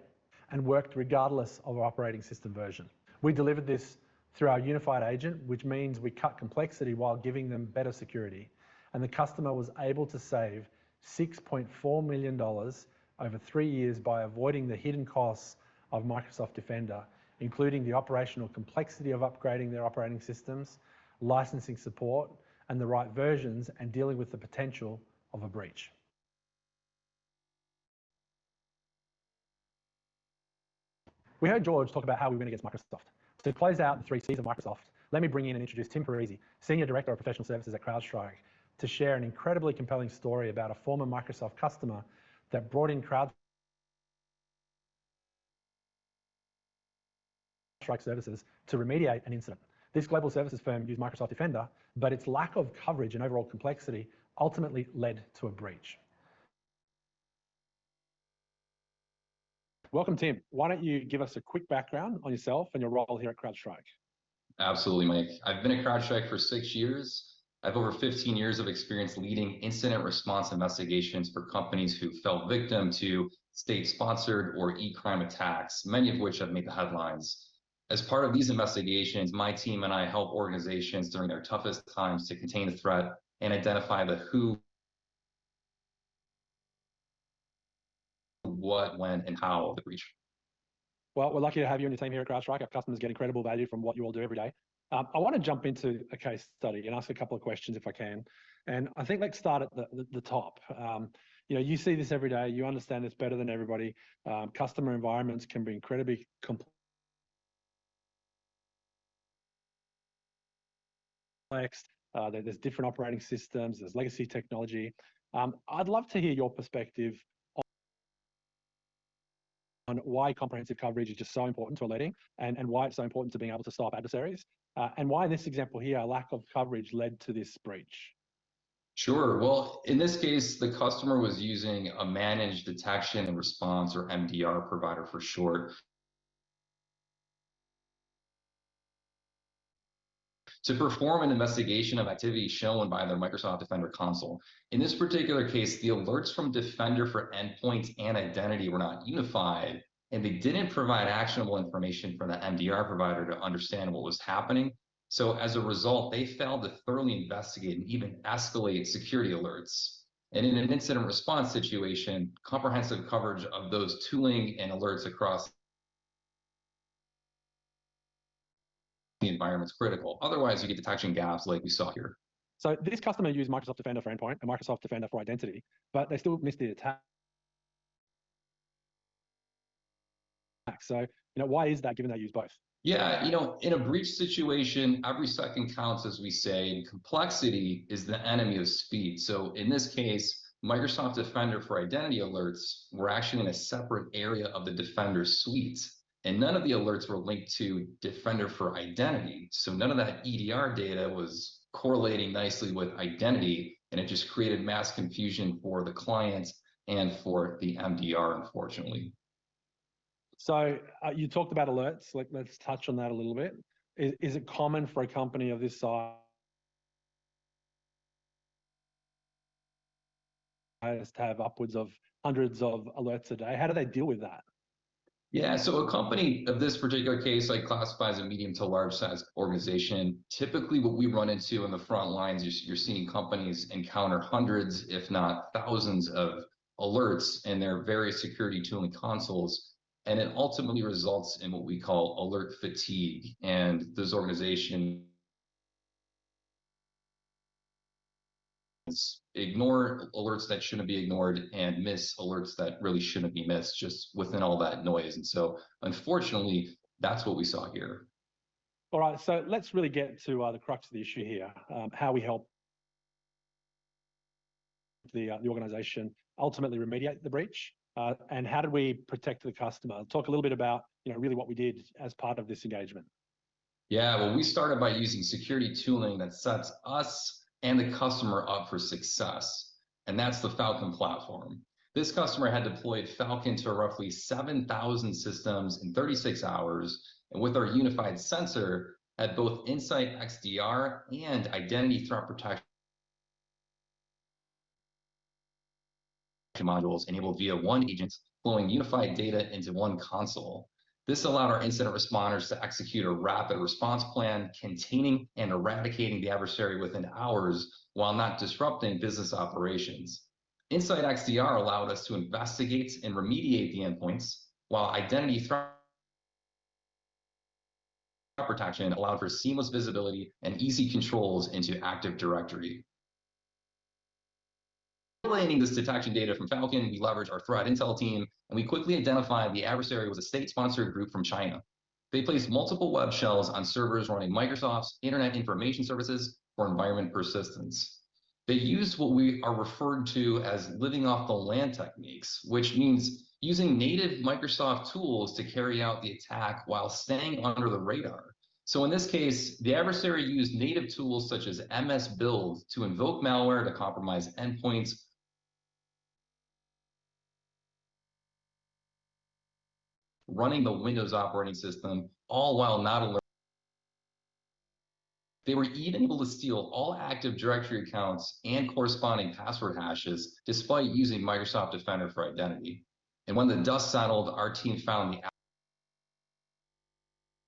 Speaker 4: and worked regardless of operating system version. We delivered this through our unified agent, which means we cut complexity while giving them better security, and the customer was able to save $6.4 million over three years by avoiding the hidden costs of Microsoft Defender, including the operational complexity of upgrading their operating systems, licensing support, and the right versions, and dealing with the potential of a breach. We heard George talk about how we win against Microsoft. He closed out the 3 Cs of Microsoft. Let me bring in and introduce Tim Parisi, Senior Director of Professional Services at CrowdStrike, to share an incredibly compelling story about a former Microsoft customer that brought in CrowdStrike services to remediate an incident. This global services firm used Microsoft Defender, but its lack of coverage and overall complexity ultimately led to a breach. Welcome, Tim. Why don't you give us a quick background on yourself and your role here at CrowdStrike?
Speaker 7: Absolutely, Mike. I've been at CrowdStrike for six years. I have over 15 years of experience leading incident response investigations for companies who fell victim to state-sponsored or e-crime attacks, many of which have made the headlines. As part of these investigations, my team and I help organizations during their toughest times to contain a threat and identify the who, what, when, and how of the breach.
Speaker 4: Well, we're lucky to have you and your team here at CrowdStrike. Our customers get incredible value from what you all do every day. I wanna jump into a case study and ask a couple of questions, if I can. I think let's start at the top. You know, you see this every day. You understand this better than everybody. Customer environments can be incredibly complex. There's different operating systems. There's legacy technology. I'd love to hear your perspective on why comprehensive coverage is just so important to alerting and why it's so important to being able to stop adversaries, and why this example here, a lack of coverage led to this breach.
Speaker 7: Sure. Well, in this case, the customer was using a managed detection and response or MDR provider for short to perform an investigation of activity shown by their Microsoft Defender console. In this particular case, the alerts from Defender for Endpoint and Identity were not unified. They didn't provide actionable information for the MDR provider to understand what was happening. As a result, they failed to thoroughly investigate and even escalate security alerts. In an incident response situation, comprehensive coverage of those tooling and alerts across the environment's critical. Otherwise, you get detection gaps like we saw here.
Speaker 4: This customer used Microsoft Defender for Endpoint and Microsoft Defender for Identity, but they still missed the attack. You know, why is that given they use both?
Speaker 7: Yeah. You know, in a breach situation, every second counts as we say, and complexity is the enemy of speed. In this case, Microsoft Defender for Identity alerts were actually in a separate area of the Defender suite, and none of the alerts were linked to Defender for Identity. None of that EDR data was correlating nicely with Identity, and it just created mass confusion for the clients and for the MDR, unfortunately.
Speaker 4: You talked about alerts. Let's touch on that a little bit. Is it common for a company of this size to have upwards of hundreds of alerts a day? How do they deal with that?
Speaker 7: Yeah. A company of this particular case, I'd classify as a medium to large size organization. Typically, what we run into on the front lines is you're seeing companies encounter hundreds, if not thousands of alerts in their various security tooling consoles, and it ultimately results in what we call alert fatigue and disorganization. Ignore alerts that shouldn't be ignored and miss alerts that really shouldn't be missed just within all that noise. Unfortunately, that's what we saw here.
Speaker 4: All right. Let's really get to the crux of the issue here, how we help the organization ultimately remediate the breach, and how do we protect the customer. Talk a little bit about, you know, really what we did as part of this engagement.
Speaker 7: Yeah. Well, we started by using security tooling that sets us and the customer up for success, and that's the Falcon platform. This customer had deployed Falcon to roughly 7,000 systems in 36 hours, and with our unified sensor had both Insight XDR and Identity Threat Protection modules enabled via one agent flowing unified data into one console. This allowed our incident responders to execute a rapid response plan containing and eradicating the adversary within hours while not disrupting business operations. Insight XDR allowed us to investigate and remediate the endpoints while Identity Threat Protection allowed for seamless visibility and easy controls into Active Directory. Using this detection data from Falcon, we leveraged our threat intel team, and we quickly identified the adversary was a state-sponsored group from China. They placed multiple web shells on servers running Microsoft's Internet Information Services for environment persistence. They used what we are referring to as living off the land techniques, which means using native Microsoft tools to carry out the attack while staying under the radar. In this case, the adversary used native tools such as MSBuild to invoke malware to compromise endpoints running the Windows operating system. They were even able to steal all Active Directory accounts and corresponding password hashes despite using Microsoft Defender for Identity and when the dust settled, our team found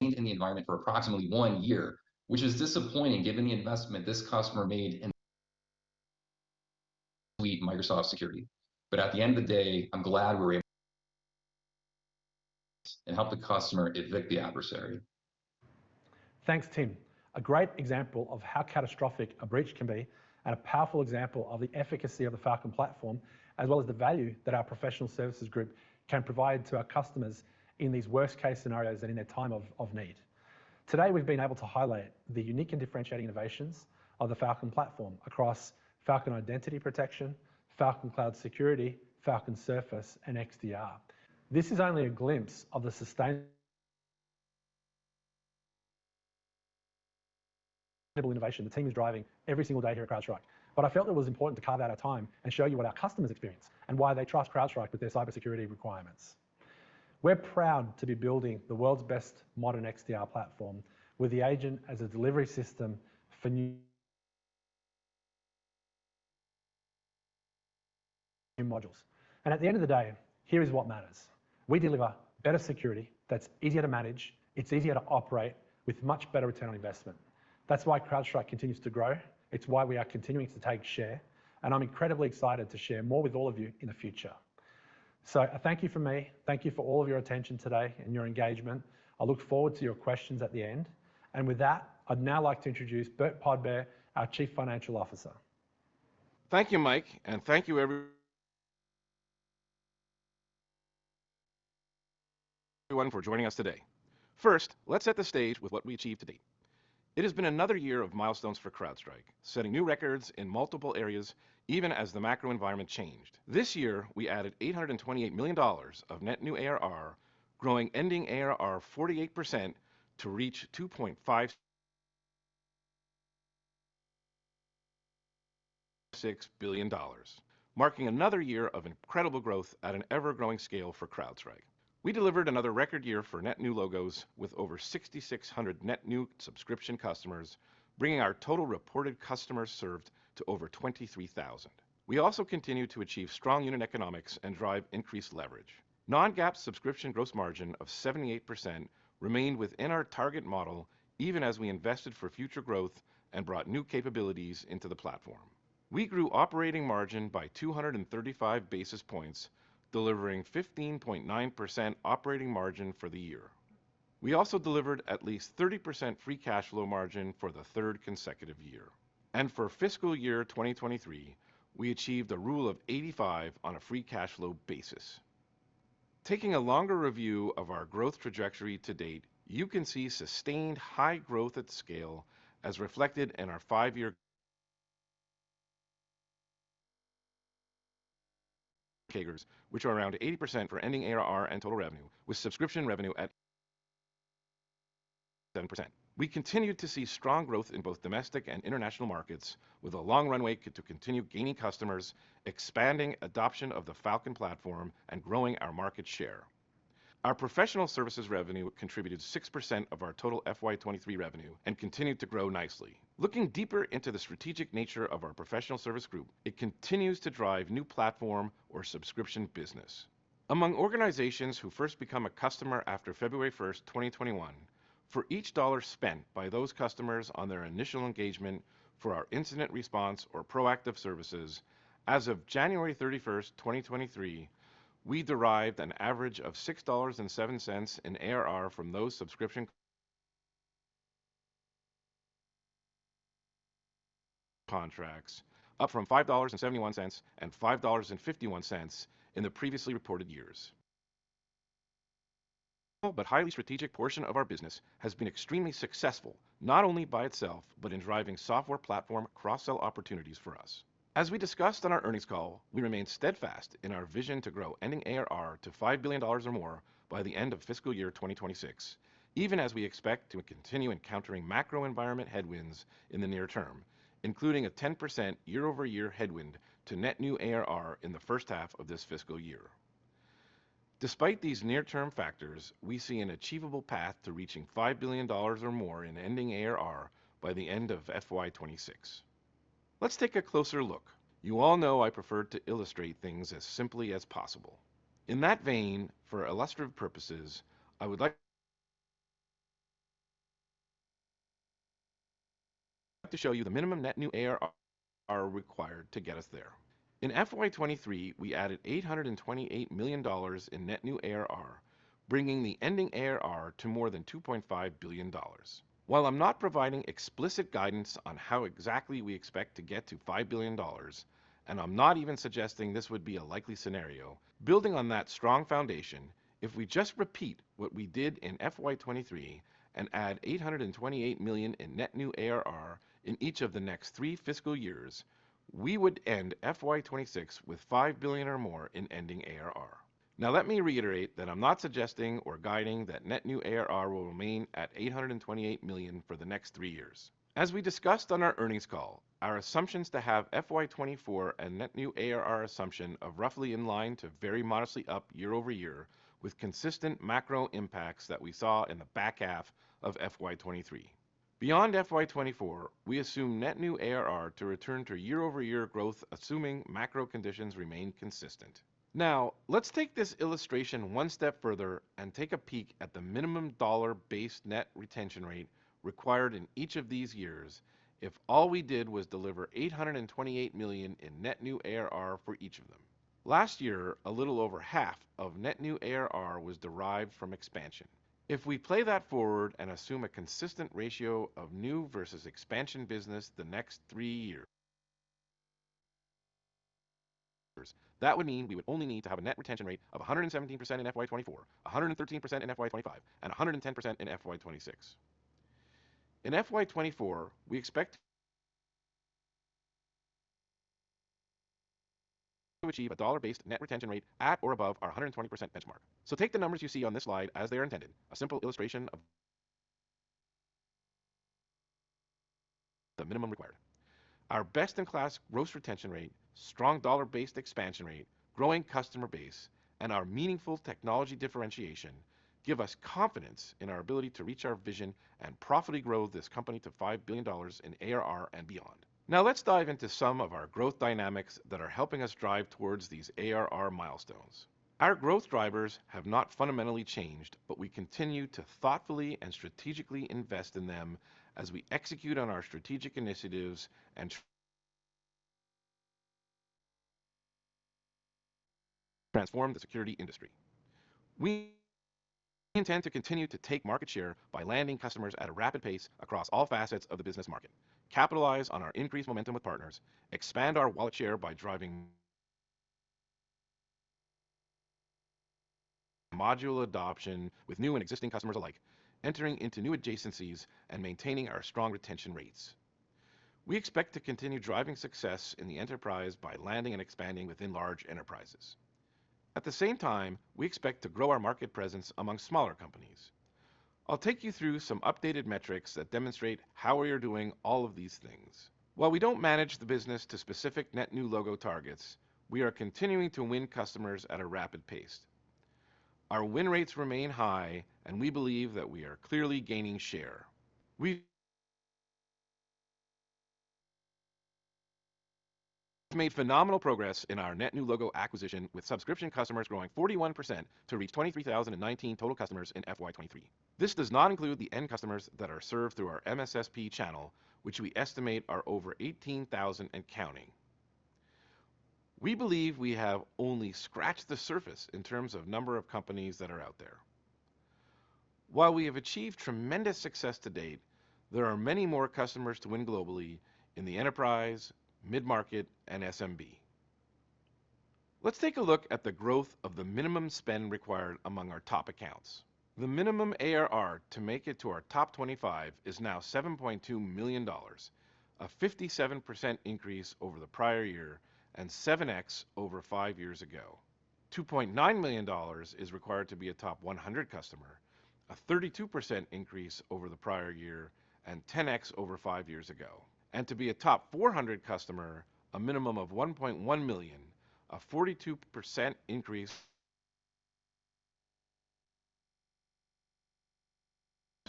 Speaker 7: the environment for approximately one year, which is disappointing given the investment this customer made in Microsoft security. At the end of the day, I'm glad we were able to help the customer evict the adversary.
Speaker 4: Thanks, Tim. A great example of how catastrophic a breach can be and a powerful example of the efficacy of the Falcon platform, as well as the value that our professional services group can provide to our customers in these worst case scenarios and in their time of need. Today, we've been able to highlight the unique and differentiating innovations of the Falcon platform across Falcon Identity Protection, Falcon Cloud Security, Falcon Surface, and XDR. This is only a glimpse of the sustain innovation the team is driving every single day here at CrowdStrike. I felt it was important to carve out our time and show you what our customers experience and why they trust CrowdStrike with their cybersecurity requirements. We're proud to be building the world's best modern XDR platform with the agent as a delivery system for new modules. At the end of the day, here is what matters. We deliver better security that's easier to manage, it's easier to operate with much better return on investment. That's why CrowdStrike continues to grow. It's why we are continuing to take share. I'm incredibly excited to share more with all of you in the future. A thank you from me. Thank you for all of your attention today and your engagement. I look forward to your questions at the end. With that, I'd now like to introduce Burt Podbere, our Chief Financial Officer.
Speaker 8: Thank you, Mike, and thank you everyone for joining us today. First, let's set the stage with what we achieved today. It has been another year of milestones for CrowdStrike, setting new records in multiple areas, even as the macro environment changed. This year, we added $828 million of net new ARR, growing ending ARR 48% to reach $2.56 billion, marking another year of incredible growth at an ever-growing scale for CrowdStrike. We delivered another record year for net new logos with over 6,600 net new subscription customers, bringing our total reported customers served to over 23,000. We also continued to achieve strong unit economics and drive increased leverage. Non-GAAP subscription gross margin of 78% remained within our target model, even as we invested for future growth and brought new capabilities into the platform. We grew operating margin by 235 basis points, delivering 15.9% operating margin for the year. We also delivered at least 30% free cash flow margin for the third consecutive year. For fiscal year 2023, we achieved a rule of 85 on a free cash flow basis. Taking a longer review of our growth trajectory to date, you can see sustained high growth at scale as reflected in our five-year figures, which are around 80% for ending ARR and total revenue, with subscription revenue at 7%. We continued to see strong growth in both domestic and international markets with a long runway to continue gaining customers, expanding adoption of the Falcon platform, and growing our market share. Our professional services revenue contributed 6% of our total FY 2023 revenue and continued to grow nicely. Looking deeper into the strategic nature of our professional service group, it continues to drive new platform or subscription business. Among organizations who first become a customer after February 1st, 2021, for each $1 spent by those customers on their initial engagement for our incident response or proactive services as of January 31st, 2023, we derived an average of $6.07 in ARR from those subscription contracts, up from $5.71 and $5.51 in the previously reported years. Highly strategic portion of our business has been extremely successful, not only by itself, but in driving software platform cross-sell opportunities for us. As we discussed on our earnings call, we remain steadfast in our vision to grow ending ARR to $5 billion or more by the end of fiscal year 2026, even as we expect to continue encountering macro environment headwinds in the near term, including a 10% year-over-year headwind to net new ARR in the first half of this fiscal year. Despite these near-term factors, we see an achievable path to reaching $5 billion or more in ending ARR by the end of FY 2026. Let's take a closer look. You all know I prefer to illustrate things as simply as possible. In that vein, for illustrative purposes, I would like to show you the minimum net new ARR are required to get us there.
Speaker 6: In FY 2023, we added $828 million in net new ARR, bringing the ending ARR to more than $2.5 billion. While I'm not providing explicit guidance on how exactly we expect to get to $5 billion, and I'm not even suggesting this would be a likely scenario, building on that strong foundation, if we just repeat what we did in FY 2023 and add $828 million in net new ARR in each of the next three fiscal years, we would end FY 2026 with $5 billion or more in ending ARR. Now, let me reiterate that I'm not suggesting or guiding that net new ARR will remain at $828 million for the next three years.
Speaker 8: As we discussed on our earnings call, our assumptions to have FY 2024 net new ARR assumption of roughly in line to very modestly up year-over-year with consistent macro impacts that we saw in the back half of FY 2023. Beyond FY 2024, we assume net new ARR to return to year-over-year growth, assuming macro conditions remain consistent. Let's take this illustration one step further and take a peek at the minimum dollar-based net retention rate required in each of these years if all we did was deliver $828 million in net new ARR for each of them. Last year, a little over half of net new ARR was derived from expansion. If we play that forward and assume a consistent ratio of new versus expansion business the next three years, that would mean we would only need to have a net retention rate of 117% in FY 2024, 113% in FY 2025, and 110% in FY 2026. In FY 2024, we expect to achieve a dollar-based net retention rate at or above our 120% benchmark. Take the numbers you see on this slide as they are intended, a simple illustration of the minimum required. Our best-in-class gross retention rate, strong dollar-based expansion rate, growing customer base, and our meaningful technology differentiation give us confidence in our ability to reach our vision and profitably grow this company to $5 billion in ARR and beyond. Let's dive into some of our growth dynamics that are helping us drive towards these ARR milestones. Our growth drivers have not fundamentally changed, we continue to thoughtfully and strategically invest in them as we execute on our strategic initiatives and transform the security industry. We intend to continue to take market share by landing customers at a rapid pace across all facets of the business market, capitalize on our increased momentum with partners, expand our wallet share by driving module adoption with new and existing customers alike, entering into new adjacencies, and maintaining our strong retention rates. We expect to continue driving success in the enterprise by landing and expanding within large enterprises. At the same time, we expect to grow our market presence among smaller companies. I'll take you through some updated metrics that demonstrate how we are doing all of these things. While we don't manage the business to specific net new logo targets, we are continuing to win customers at a rapid pace. Our win rates remain high. We believe that we are clearly gaining share. We've made phenomenal progress in our net new logo acquisition, with subscription customers growing 41% to reach 23,019 total customers in FY 2023. This does not include the end customers that are served through our MSSP channel, which we estimate are over 18,000 and counting. We believe we have only scratched the surface in terms of number of companies that are out there. While we have achieved tremendous success to date, there are many more customers to win globally in the enterprise, mid-market, and SMB. Let's take a look at the growth of the minimum spend required among our top accounts. The minimum ARR to make it to our top 25 is now $7.2 million, a 57% increase over the prior year and 7x over five years ago. $2.9 million is required to be a top 100 customer, a 32% increase over the prior year and 10x over five years ago. To be a top 400 customer, a minimum of $1.1 million, a 42% increase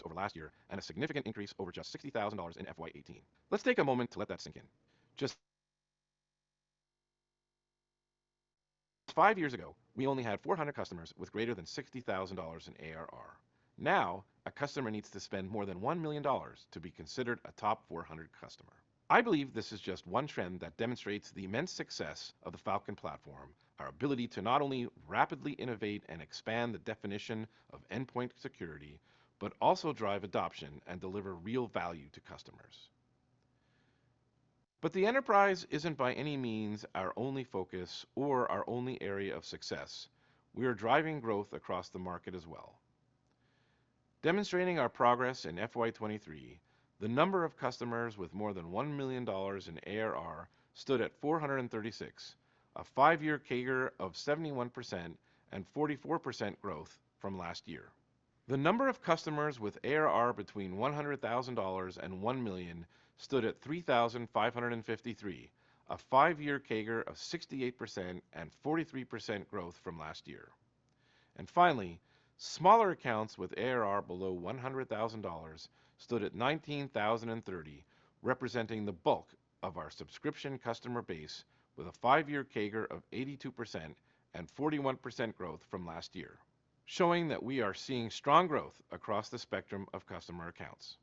Speaker 8: over last year and a significant increase over just $60,000 in FY 2018. Let's take a moment to let that sink in. Just five years ago, we only had 400 customers with greater than $60,000 in ARR. Now, a customer needs to spend more than $1 million to be considered a top 400 customer. I believe this is just one trend that demonstrates the immense success of the Falcon platform, our ability to not only rapidly innovate and expand the definition of endpoint security, but also drive adoption and deliver real value to customers. The enterprise isn't by any means our only focus or our only area of success. We are driving growth across the market as well. Demonstrating our progress in FY 2023, the number of customers with more than $1 million in ARR stood at 436, a five-year CAGR of 71% and 44% growth from last year. The number of customers with ARR between $100,000 and $1 million stood at 3,553, a five-year CAGR of 68% and 43% growth from last year. Finally, smaller accounts with ARR below $100,000 stood at 19,030, representing the bulk of our subscription customer base with a five-year CAGR of 82% and 41% growth from last year, showing that we are seeing strong growth across the spectrum of customer accounts.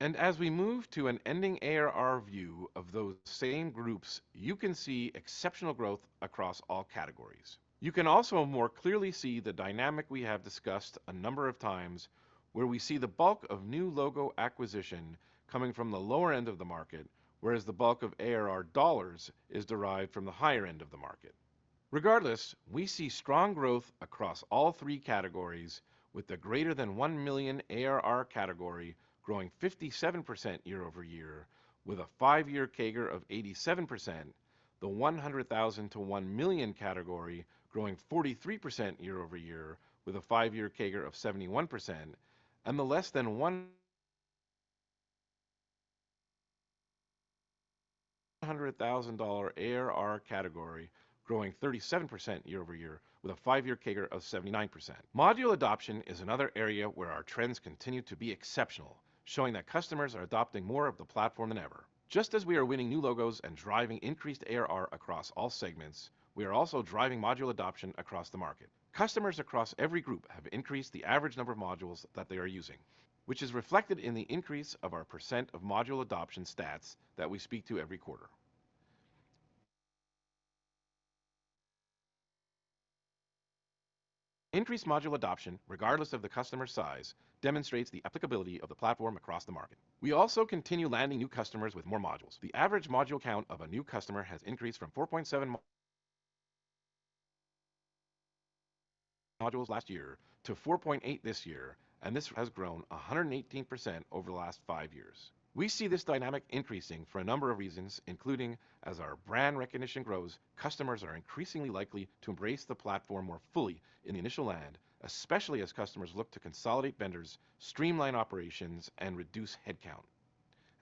Speaker 8: As we move to an ending ARR view of those same groups, you can see exceptional growth across all categories. You can also more clearly see the dynamic we have discussed a number of times where we see the bulk of new logo acquisition coming from the lower end of the market, whereas the bulk of ARR dollars is derived from the higher end of the market. Regardless, we see strong growth across all three categories with the greater than $1 million ARR category growing 57% year-over-year with a five-year CAGR of 87%, the $100,000 to $1 million category growing 43% year-over-year with a five-year CAGR of 71%, and the less than $100,000 ARR category growing 37% year-over-year with a five-year CAGR of 79%. Module adoption is another area where our trends continue to be exceptional, showing that customers are adopting more of the platform than ever. Just as we are winning new logos and driving increased ARR across all segments, we are also driving module adoption across the market. Customers across every group have increased the average number of modules that they are using, which is reflected in the increase of our % of module adoption stats that we speak to every quarter. Increased module adoption, regardless of the customer size, demonstrates the applicability of the platform across the market. We also continue landing new customers with more modules. The average module count of a new customer has increased from 4.7 modules last year to 4.8 this year. This has grown 118% over the last five years. We see this dynamic increasing for a number of reasons, including as our brand recognition grows, customers are increasingly likely to embrace the platform more fully in the initial land, especially as customers look to consolidate vendors, streamline operations, and reduce headcount.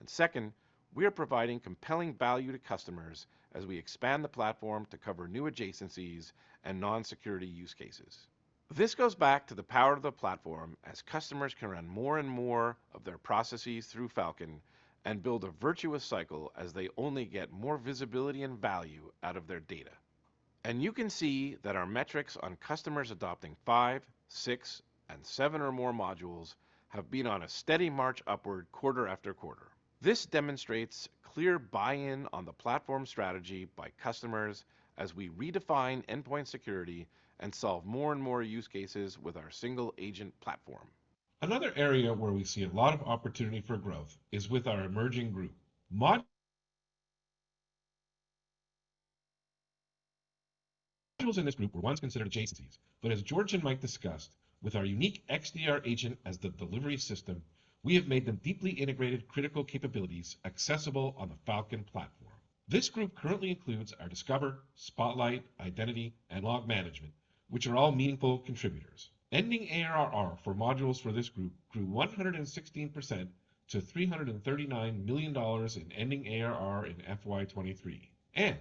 Speaker 8: Second, we are providing compelling value to customers as we expand the platform to cover new adjacencies and non-security use cases. This goes back to the power of the platform as customers can run more and more of their processes through Falcon and build a virtuous cycle as they only get more visibility and value out of their data. You can see that our metrics on customers adopting five, six, and seven or more modules have been on a steady march upward quarter after quarter. This demonstrates clear buy-in on the platform strategy by customers as we redefine endpoint security and solve more and more use cases with our single agent platform. Another area where we see a lot of opportunity for growth is with our emerging group. Modules in this group were once considered adjacencies, but as George and Mike discussed, with our unique XDR agent as the delivery system, we have made them deeply integrated critical capabilities accessible on the Falcon platform. This group currently includes our Discover, Spotlight, Identity, and Log Management, which are all meaningful contributors. Ending ARR for modules for this group grew 116% to $339 million in ending ARR in FY 2023, and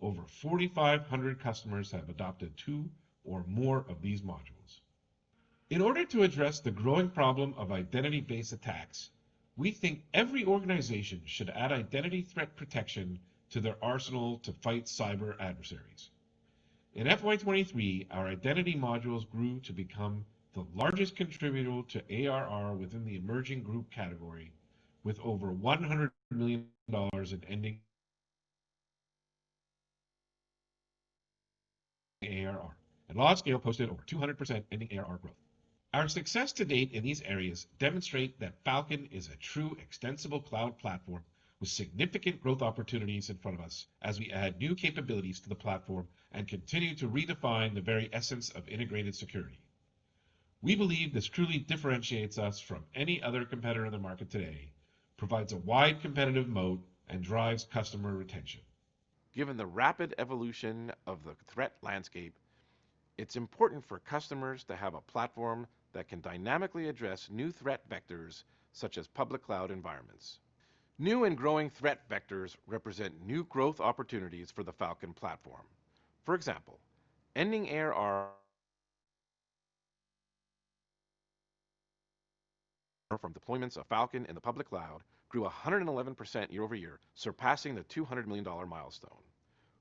Speaker 8: over 4,500 customers have adopted two or more of these modules. In order to address the growing problem of identity-based attacks, we think every organization should add identity threat protection to their arsenal to fight cyber adversaries. In FY 2023, our identity modules grew to become the largest contributor to ARR within the emerging group category with over $100 million in ending ARR. LogScale posted over 200% ending ARR growth. Our success to date in these areas demonstrate that Falcon is a true extensible cloud platform with significant growth opportunities in front of us as we add new capabilities to the platform and continue to redefine the very essence of integrated security. We believe this truly differentiates us from any other competitor in the market today, provides a wide competitive moat, and drives customer retention. Given the rapid evolution of the threat landscape, it's important for customers to have a platform that can dynamically address new threat vectors such as public cloud environments. New and growing threat vectors represent new growth opportunities for the Falcon platform. For example, ending ARR from deployments of Falcon in the public cloud grew 111% year-over-year, surpassing the $200 million milestone.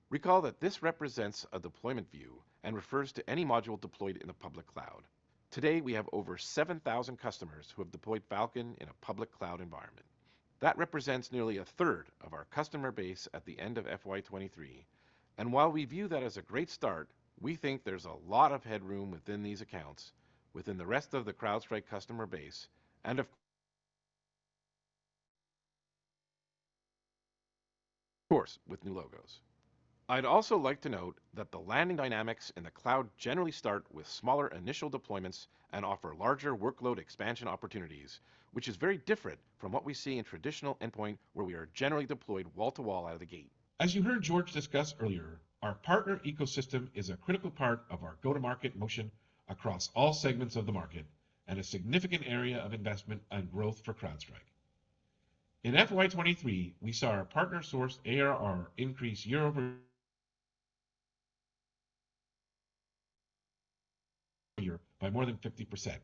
Speaker 8: Recall that this represents a deployment view and refers to any module deployed in the public cloud. Today, we have over 7,000 customers who have deployed Falcon in a public cloud environment. That represents nearly a third of our customer base at the end of FY 2023. While we view that as a great start, we think there's a lot of headroom within these accounts, within the rest of the CrowdStrike customer base, and of course, with new logos. I'd also like to note that the landing dynamics in the cloud generally start with smaller initial deployments and offer larger workload expansion opportunities, which is very different from what we see in traditional endpoint, where we are generally deployed wall-to-wall out of the gate. As you heard George discuss earlier, our partner ecosystem is a critical part of our go-to-market motion across all segments of the market and a significant area of investment and growth for CrowdStrike. In FY 2023, we saw our partner-sourced ARR increase year-over-year by more than 50%.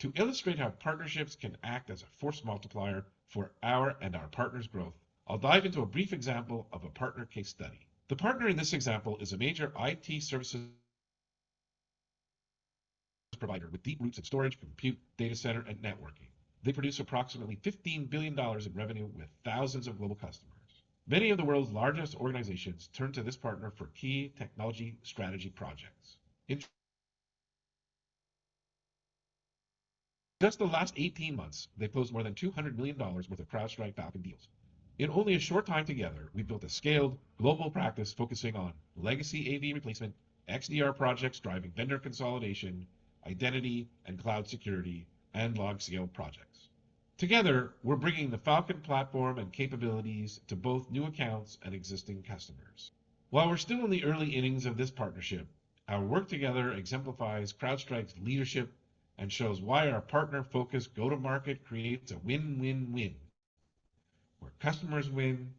Speaker 8: To illustrate how partnerships can act as a force multiplier for our and our partners' growth, I'll dive into a brief example of a partner case study. The partner in this example is a major IT services provider with deep roots in storage, compute, data center, and networking. They produce approximately $15 billion in revenue with thousands of global customers. Many of the world's largest organizations turn to this partner for key technology strategy projects. In just the last 18 months, they've closed more than $200 million worth of CrowdStrike Falcon deals.
Speaker 7: In only a short time together, we've built a scaled global practice focusing on legacy AV replacement, XDR projects driving vendor consolidation, identity and cloud security, and log scale projects. Together, we're bringing the Falcon platform and capabilities to both new accounts and existing customers. While we're still in the early innings of this partnership, our work together exemplifies CrowdStrike's leadership and shows why our partner focus go-to-market creates a win-win-win, where customers win,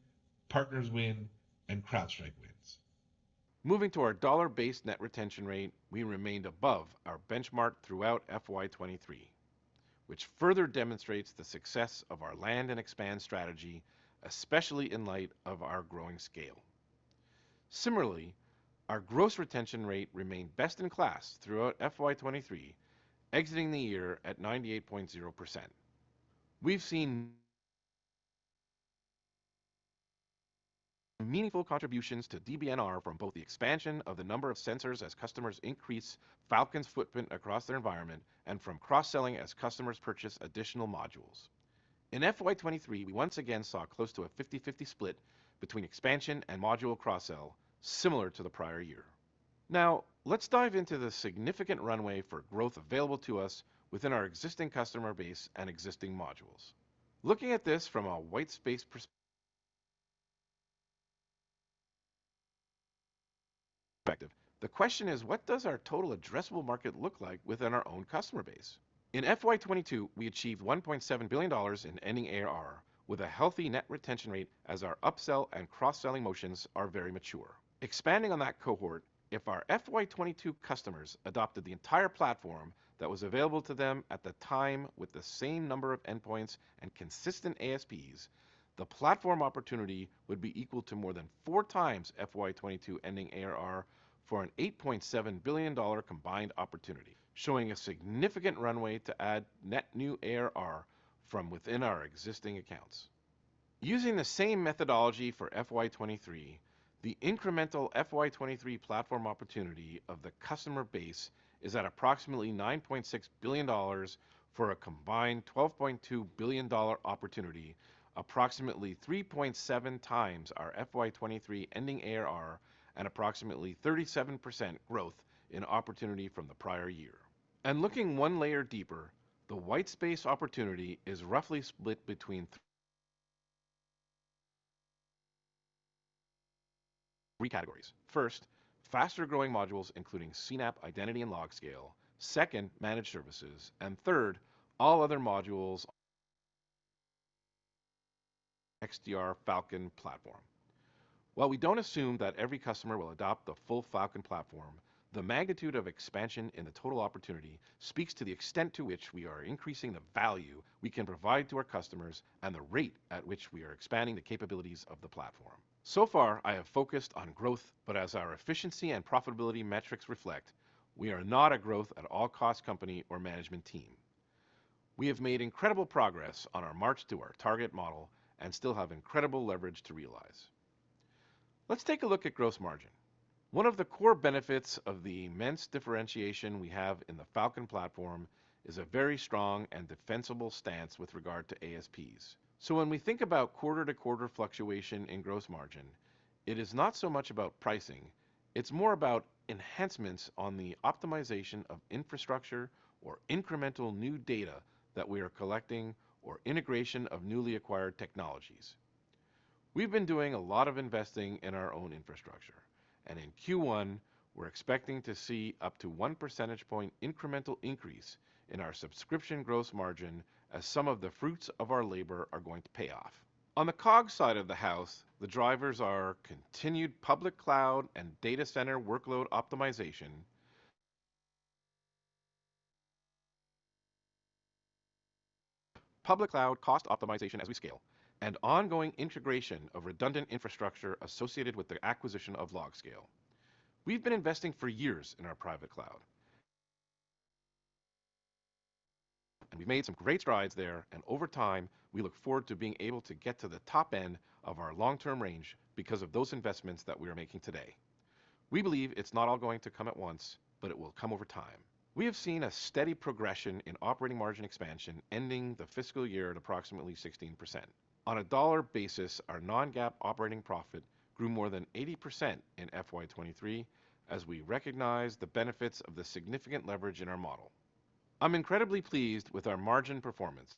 Speaker 7: partners win, and CrowdStrike wins.
Speaker 8: Moving to our dollar-based net retention rate, we remained above our benchmark throughout FY 2023, which further demonstrates the success of our land and expand strategy, especially in light of our growing scale. Similarly, our gross retention rate remained best in class throughout FY 2023, exiting the year at 98.0%. We've seen meaningful contributions to DBNR from both the expansion of the number of sensors as customers increase Falcon's footprint across their environment and from cross-selling as customers purchase additional modules. In FY 2023, we once again saw close to a 50/50 split between expansion and module cross-sell, similar to the prior year. Now, let's dive into the significant runway for growth available to us within our existing customer base and existing modules. Looking at this from a white space perspective, the question is: what does our total addressable market look like within our own customer base? In FY 2022, we achieved $1.7 billion in ending ARR with a healthy net retention rate as our upsell and cross-selling motions are very mature. Expanding on that cohort, if our FY 2022 customers adopted the entire platform that was available to them at the time with the same number of endpoints and consistent ASPs, the platform opportunity would be equal to more than 4x FY 2022 ending ARR for an $8.7 billion combined opportunity, showing a significant runway to add net new ARR from within our existing accounts. Using the same methodology for FY 2023, the incremental FY 2023 platform opportunity of the customer base is at approximately $9.6 billion for a combined $12.2 billion opportunity, approximately 3.7x our FY 2023 ending ARR and approximately 37% growth in opportunity from the prior year. Looking one layer deeper, the white space opportunity is roughly split between three categories. First, faster growing modules including CNAPP, Identity, and LogScale. Second, managed services. Third, all other modules XDR Falcon platform. While we don't assume that every customer will adopt the full Falcon platform, the magnitude of expansion in the total opportunity speaks to the extent to which we are increasing the value we can provide to our customers and the rate at which we are expanding the capabilities of the platform. Far, I have focused on growth, but as our efficiency and profitability metrics reflect, we are not a growth at all cost company or management team. We have made incredible progress on our march to our target model and still have incredible leverage to realize. Let's take a look at gross margin. One of the core benefits of the immense differentiation we have in the Falcon platform is a very strong and defensible stance with regard to ASPs. When we think about quarter-to-quarter fluctuation in gross margin, it's not so much about pricing, it's more about enhancements on the optimization of infrastructure or incremental new data that we are collecting or integration of newly acquired technologies. We've been doing a lot of investing in our own infrastructure, and in Q1, we're expecting to see up to 1 percentage point incremental increase in our subscription gross margin as some of the fruits of our labor are going to pay off. On the COGS side of the house, the drivers are continued public cloud and data center workload optimization, public cloud cost optimization as we scale, and ongoing integration of redundant infrastructure associated with the acquisition of LogScale. We've been investing for years in our private cloud, and we've made some great strides there, and over time, we look forward to being able to get to the top end of our long-term range because of those investments that we are making today. We believe it's not all going to come at once, but it will come over time. We have seen a steady progression in operating margin expansion ending the fiscal year at approximately 16%. On a dollar basis, our non-GAAP operating profit grew more than 80% in FY 2023 as we recognize the benefits of the significant leverage in our model. I'm incredibly pleased with our margin performance,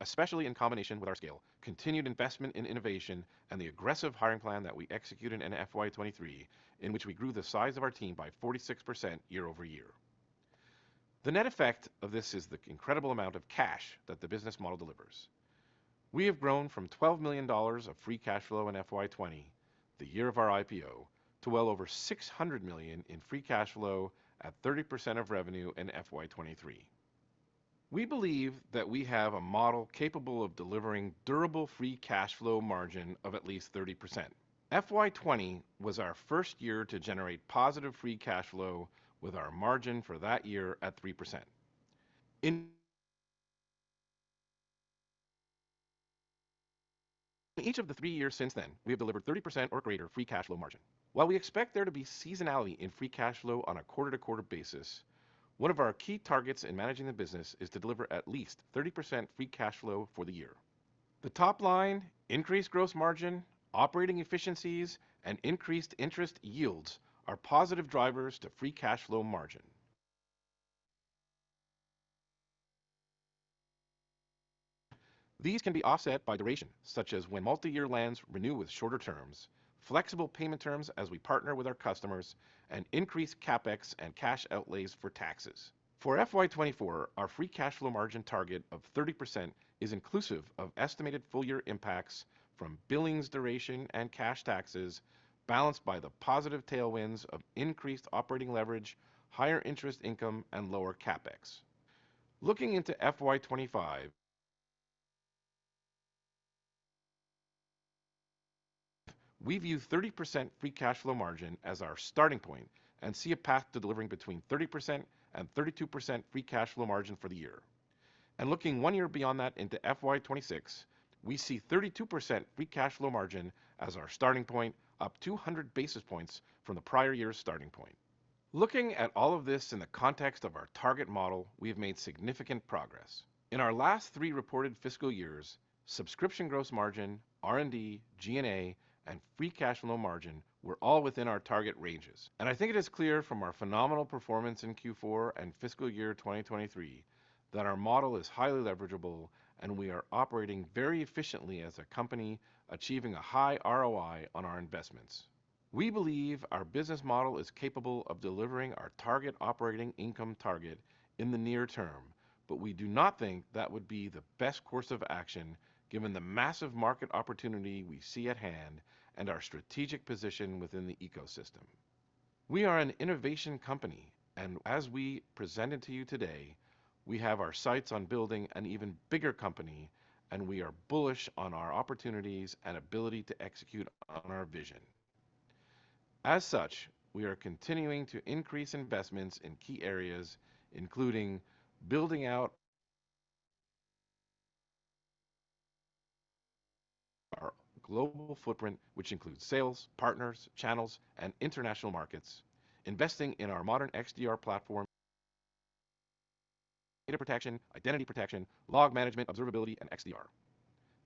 Speaker 8: especially in combination with our scale, continued investment in innovation, and the aggressive hiring plan that we executed in FY 2023, in which we grew the size of our team by 46% year-over-year. The net effect of this is the incredible amount of cash that the business model delivers. We have grown from $12 million of free cash flow in FY 2020, the year of our IPO, to well over $600 million in free cash flow at 30% of revenue in FY 2023. We believe that we have a model capable of delivering durable free cash flow margin of at least 30%. FY 2020 was our first year to generate positive free cash flow with our margin for that year at 3%. In each of the three years since then, we have delivered 30% or greater free cash flow margin. While we expect there to be seasonality in free cash flow on a quarter-to-quarter basis, one of our key targets in managing the business is to deliver at least 30% free cash flow for the year. The top line, increased gross margin, operating efficiencies, and increased interest yields are positive drivers to free cash flow margin. These can be offset by duration, such as when multi-year lands renew with shorter terms, flexible payment terms as we partner with our customers, and increase CapEx and cash outlays for taxes. For FY 2024, our free cash flow margin target of 30% is inclusive of estimated full year impacts from billings duration and cash taxes balanced by the positive tailwinds of increased operating leverage, higher interest income and lower CapEx. Looking into FY 2025, we view 30% free cash flow margin as our starting point and see a path to delivering between 30% and 32% free cash flow margin for the year. Looking one year beyond that ino FY 2026, we see 32% free cash flow margin as our starting point, up 200 basis points from the prior year's starting point. Looking at all of this in the context of our target model, we have made significant progress. In our last three reported fiscal years, subscription gross margin, R&D, G&A, and free cash flow margin were all within our target ranges. I think it is clear from our phenomenal performance in Q4 and fiscal year 2023 that our model is highly leverageable, and we are operating very efficiently as a company, achieving a high ROI on our investments. We believe our business model is capable of delivering our target operating income target in the near term. We do not think that would be the best course of action given the massive market opportunity we see at hand and our strategic position within the ecosystem. We are an innovation company. As we presented to you today, we have our sights on building an even bigger company, and we are bullish on our opportunities and ability to execute on our vision. As such, we are continuing to increase investments in key areas, including building out our global footprint, which includes sales, partners, channels, and international markets, investing in our modern XDR platform. Data protection, identity protection, log management, observability, and XDR.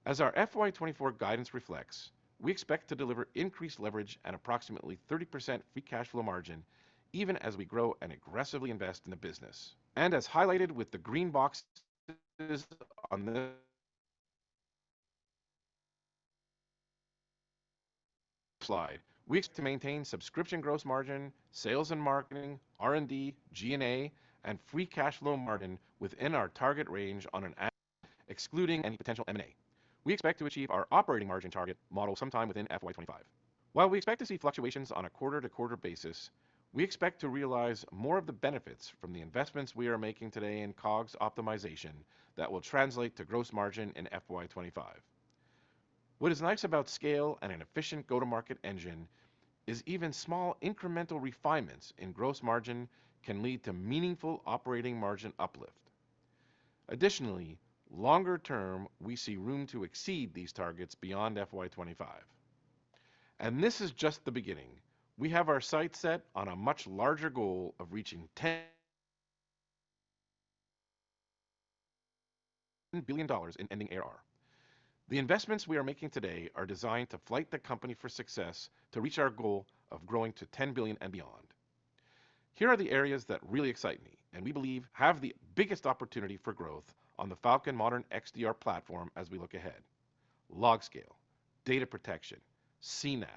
Speaker 8: As our FY 2024 guidance reflects, we expect to deliver increased leverage at approximately 30% free cash flow margin even as we grow and aggressively invest in the business. As highlighted with the green boxes on the slide, we expect to maintain subscription gross margin, sales and marketing, R&D, G&A, and free cash flow margin within our target range on an excluding any potential M&A. We expect to achieve our operating margin target model sometime within FY 2025. While we expect to see fluctuations on a quarter-to-quarter basis, we expect to realize more of the benefits from the investments we are making today in COGS optimization that will translate to gross margin in FY 2025. What is nice about scale and an efficient go-to-market engine is even small incremental refinements in gross margin can lead to meaningful operating margin uplift. Longer term, we see room to exceed these targets beyond FY 2025. This is just the beginning. We have our sights set on a much larger goal of reaching $10 billion in ending ARR. The investments we are making today are designed to flight the company for success to reach our goal of growing to $10 billion and beyond. Here are the areas that really excite me, we believe have the biggest opportunity for growth on the Falcon Modern XDR platform as we look ahead: LogScale, data protection, CNAPP,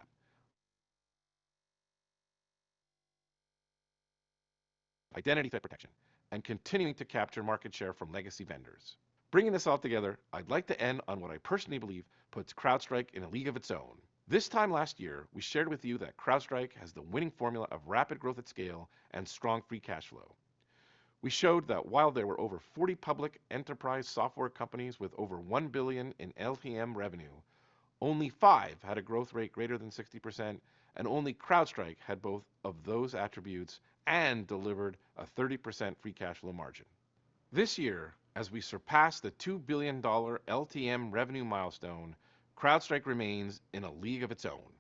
Speaker 8: identity theft protection, and continuing to capture market share from legacy vendors. Bringing this all together, I'd like to end on what I personally believe puts CrowdStrike in a league of its own. This time last year we shared with you that CrowdStrike has the winning formula of rapid growth at scale and strong free cash flow. We showed that while there were over 40 public enterprise software companies with over $1 billion in LTM revenue, only five had a growth rate greater than 60%, and only CrowdStrike had both of those attributes and delivered a 30% free cash flow margin. This year, as we surpass the $2 billion LTM revenue milestone, CrowdStrike remains in a league of its own.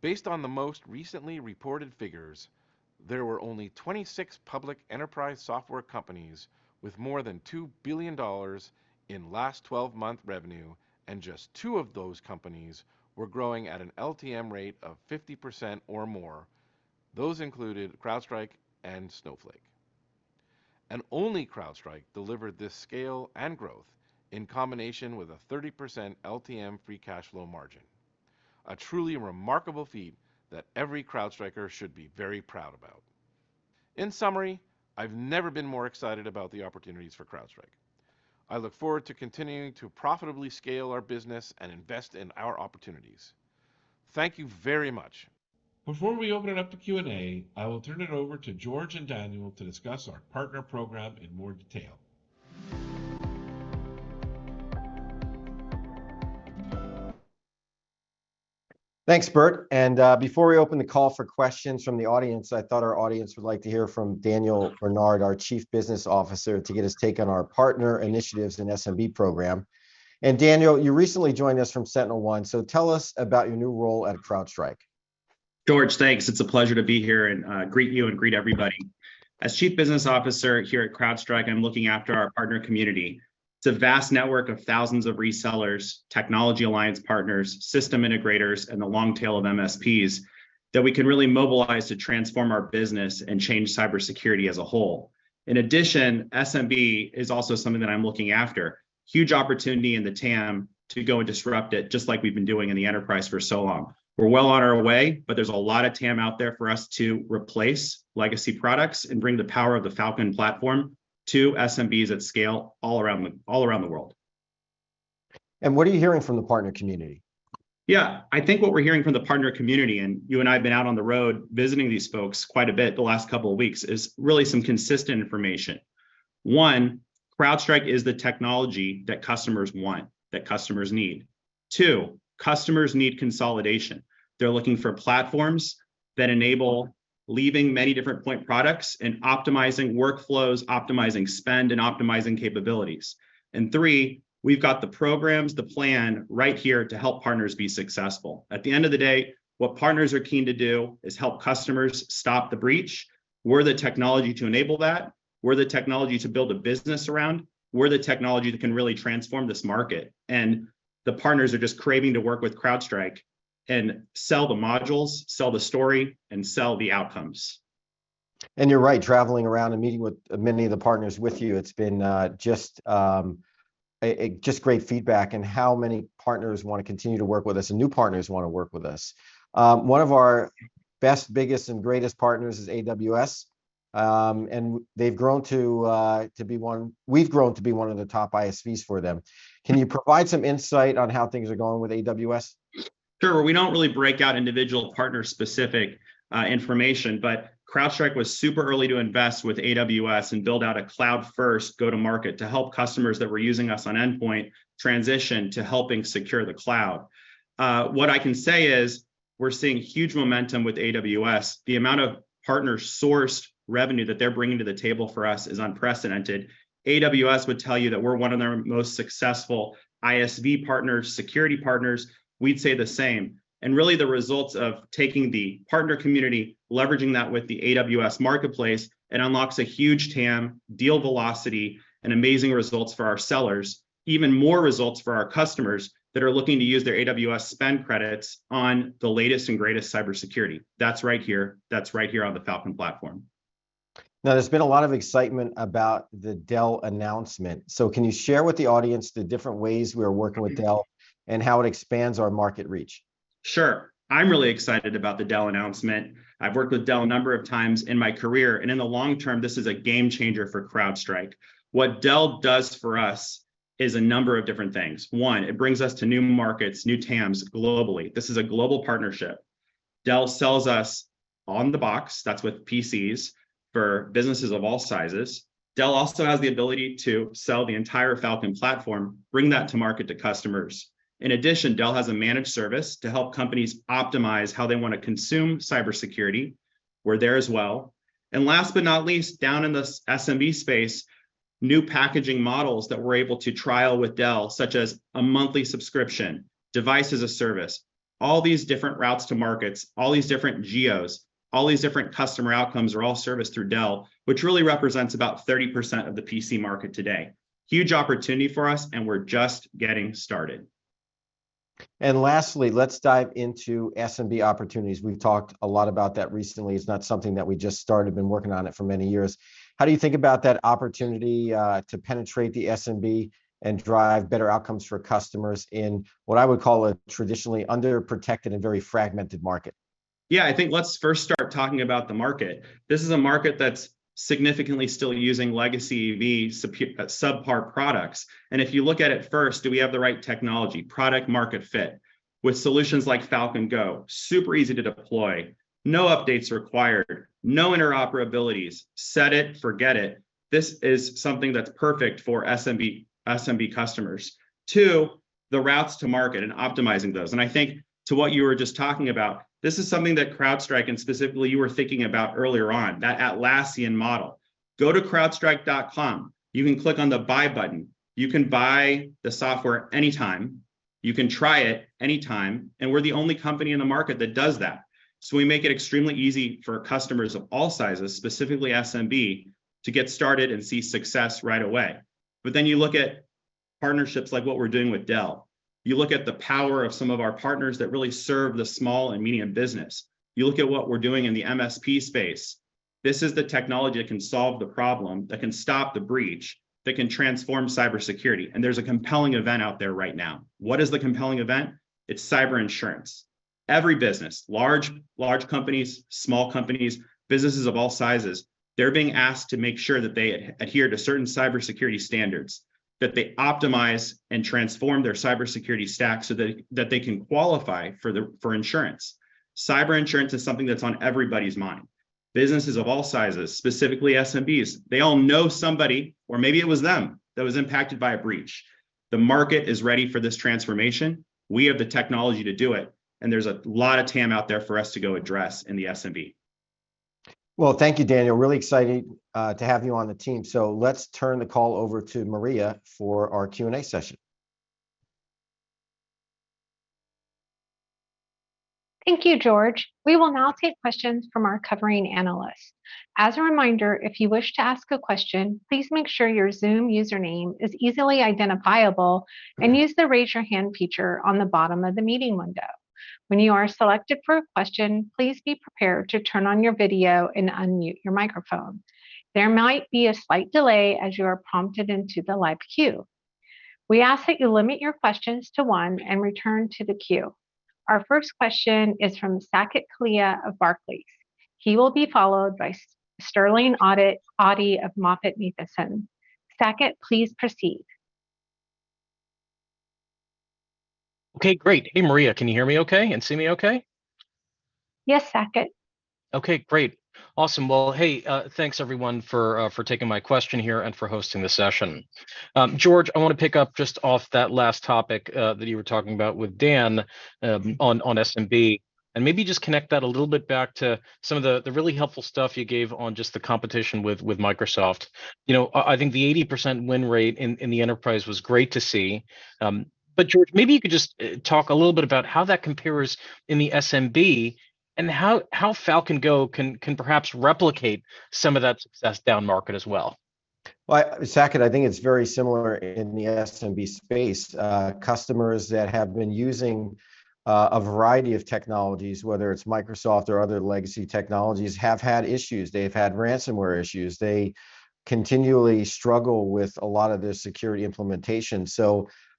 Speaker 8: Based on the most recently reported figures, there were only 26 public enterprise software companies with more than $2 billion in last 12-month revenue, and just two of those companies were growing at an LTM rate of 50% or more. Those included CrowdStrike and Snowflake. Only CrowdStrike delivered this scale and growth in combination with a 30% LTM free cash flow margin, a truly remarkable feat that every CrowdStriker should be very proud about. In summary, I've never been more excited about the opportunities for CrowdStrike. I look forward to continuing to profitably scale our business and invest in our opportunities. Thank you very much.
Speaker 4: Before we open it up to Q&A, I will turn it over to George and Daniel to discuss our partner program in more detail.
Speaker 2: Thanks, Burt. Before we open the call for questions from the audience, I thought our audience would like to hear from Daniel Bernard, our Chief Business Officer, to get his take on our partner initiatives and SMB program. Daniel, you recently joined us from SentinelOne, so tell us about your new role at CrowdStrike.
Speaker 9: George, thanks. It's a pleasure to be here and greet you and greet everybody. As Chief Business Officer here at CrowdStrike, I'm looking after our partner community. It's a vast network of thousands of resellers, technology alliance partners, system integrators, and the long tail of MSPs that we can really mobilize to transform our business and change cybersecurity as a whole In addition, SMB is also something that I'm looking after. Huge opportunity in the TAM to go and disrupt it, just like we've been doing in the enterprise for so long. We're well on our way. There's a lot of TAM out there for us to replace legacy products and bring the power of the Falcon platform to SMBs at scale all around the world.
Speaker 2: What are you hearing from the partner community?
Speaker 9: Yeah. I think what we're hearing from the partner community, and you and I have been out on the road visiting these folks quite a bit the last couple of weeks, is really some consistent information. One, CrowdStrike is the technology that customers want, that customers need. Two, customers need consolidation. They're looking for platforms that enable leaving many different point products and optimizing workflows, optimizing spend, and optimizing capabilities. Three, we've got the programs, the plan right here to help partners be successful. At the end of the day, what partners are keen to do is help customers stop the breach. We're the technology to enable that. We're the technology to build a business around. We're the technology that can really transform this market, the partners are just craving to work with CrowdStrike and sell the modules, sell the story, and sell the outcomes.
Speaker 2: You're right, traveling around and meeting with many of the partners with you, it's been just a great feedback in how many partners wanna continue to work with us, and new partners wanna work with us. One of our best, biggest, and greatest partners is AWS, and We've grown to be one of the top ISVs for them. Can you provide some insight on how things are going with AWS?
Speaker 9: Sure. We don't really break out individual partner-specific information, CrowdStrike was super early to invest with AWS and build out a cloud first go-to-market to help customers that were using us on endpoint transition to helping secure the cloud. What I can say is we're seeing huge momentum with AWS. The amount of partner sourced revenue that they're bringing to the table for us is unprecedented. AWS would tell you that we're one of their most successful ISV partners, security partners. We'd say the same. Really the results of taking the partner community, leveraging that with the AWS Marketplace, it unlocks a huge TAM, deal velocity, and amazing results for our sellers, even more results for our customers that are looking to use their AWS spend credits on the latest and greatest cybersecurity. That's right here. That's right here on the Falcon platform.
Speaker 2: Now, there's been a lot of excitement about the Dell announcement, can you share with the audience the different ways we're working with Dell and how it expands our market reach?
Speaker 9: Sure. I'm really excited about the Dell announcement. I've worked with Dell a number of times in my career. In the long term, this is a game changer for CrowdStrike. What Dell does for us is a number of different things. One, it brings us to new markets, new TAMs globally. This is a global partnership. Dell sells us on the box, that's with PCs for businesses of all sizes. Dell also has the ability to sell the entire Falcon platform, bring that to market to customers. In addition, Dell has a managed service to help companies optimize how they want to consume cybersecurity. We're there as well. Last but not least, down in the SMB space, new packaging models that we're able to trial with Dell, such as a monthly subscription, device as a service, all these different routes to markets, all these different geos, all these different customer outcomes are all serviced through Dell, which really represents about 30% of the PC market today. Huge opportunity for us, and we're just getting started.
Speaker 2: Lastly, let's dive into SMB opportunities. We've talked a lot about that recently. It's not something that we just started. Been working on it for many years. How do you think about that opportunity to penetrate the SMB and drive better outcomes for customers in what I would call a traditionally underprotected and very fragmented market?
Speaker 9: Yeah. I think let's first start talking about the market. This is a market that's significantly still using legacy subpar products, and if you look at it first, do we have the right technology? Product market fit. With solutions like Falcon Go, super easy to deploy, no updates required, no interoperabilities. Set it, forget it. This is something that's perfect for SMB customers. Two, the routes to market and optimizing those, and I think to what you were just talking about, this is something that CrowdStrike and specifically you were thinking about earlier on, that Atlassian model. Go to crowdstrike.com. You can click on the buy button. You can buy the software anytime, you can try it anytime, and we're the only company in the market that does that. We make it extremely easy for customers of all sizes, specifically SMB, to get started and see success right away. You look at partnerships like what we're doing with Dell. You look at the power of some of our partners that really serve the small and medium business. You look at what we're doing in the MSP space. This is the technology that can solve the problem, that can stop the breach, that can transform cybersecurity, and there's a compelling event out there right now. What is the compelling event? It's cyber insurance. Every business, large companies, small companies, businesses of all sizes, they're being asked to make sure that they adhere to certain cybersecurity standards, that they optimize and transform their cybersecurity stack so that they can qualify for insurance. Cyber insurance is something that's on everybody's mind. Businesses of all sizes, specifically SMBs, they all know somebody, or maybe it was them, that was impacted by a breach. The market is ready for this transformation. We have the technology to do it, and there's a lot of TAM out there for us to go address in the SMB.
Speaker 2: Well, thank you, Daniel. Really exciting to have you on the team. Let's turn the call over to Maria for our Q&A session.
Speaker 1: Thank you, George. We will now take questions from our covering analysts. As a reminder, if you wish to ask a question, please make sure your Zoom username is easily identifiable and use the raise your hand feature on the bottom of the meeting window. When you are selected for a question, please be prepared to turn on your video and unmute your microphone. There might be a slight delay as you are prompted into the live queue. We ask that you limit your questions to one and return to the queue. Our first question is from Saket Kalia of Barclays. He will be followed by Sterling Auty of MoffettNathanson. Saket, please proceed.
Speaker 10: Okay, great. Hey, Maria, can you hear me okay and see me okay?
Speaker 1: Yes, Saket.
Speaker 10: Okay, great. Awesome. Well, hey, thanks everyone for taking my question here and for hosting this session. George, I wanna pick up just off that last topic that you were talking about with Dan, on SMB and maybe just connect that a little bit back to some of the really helpful stuff you gave on just the competition with Microsoft. You know, I think the 80% win rate in the enterprise was great to see. George, maybe you could just talk a little bit about how that compares in the SMB and how Falcon Go can perhaps replicate some of that success down market as well.
Speaker 2: Well, Saket, I think it's very similar in the SMB space. Customers that have been using a variety of technologies, whether it's Microsoft or other legacy technologies, have had issues. They've had ransomware issues. They continually struggle with a lot of the security implementation.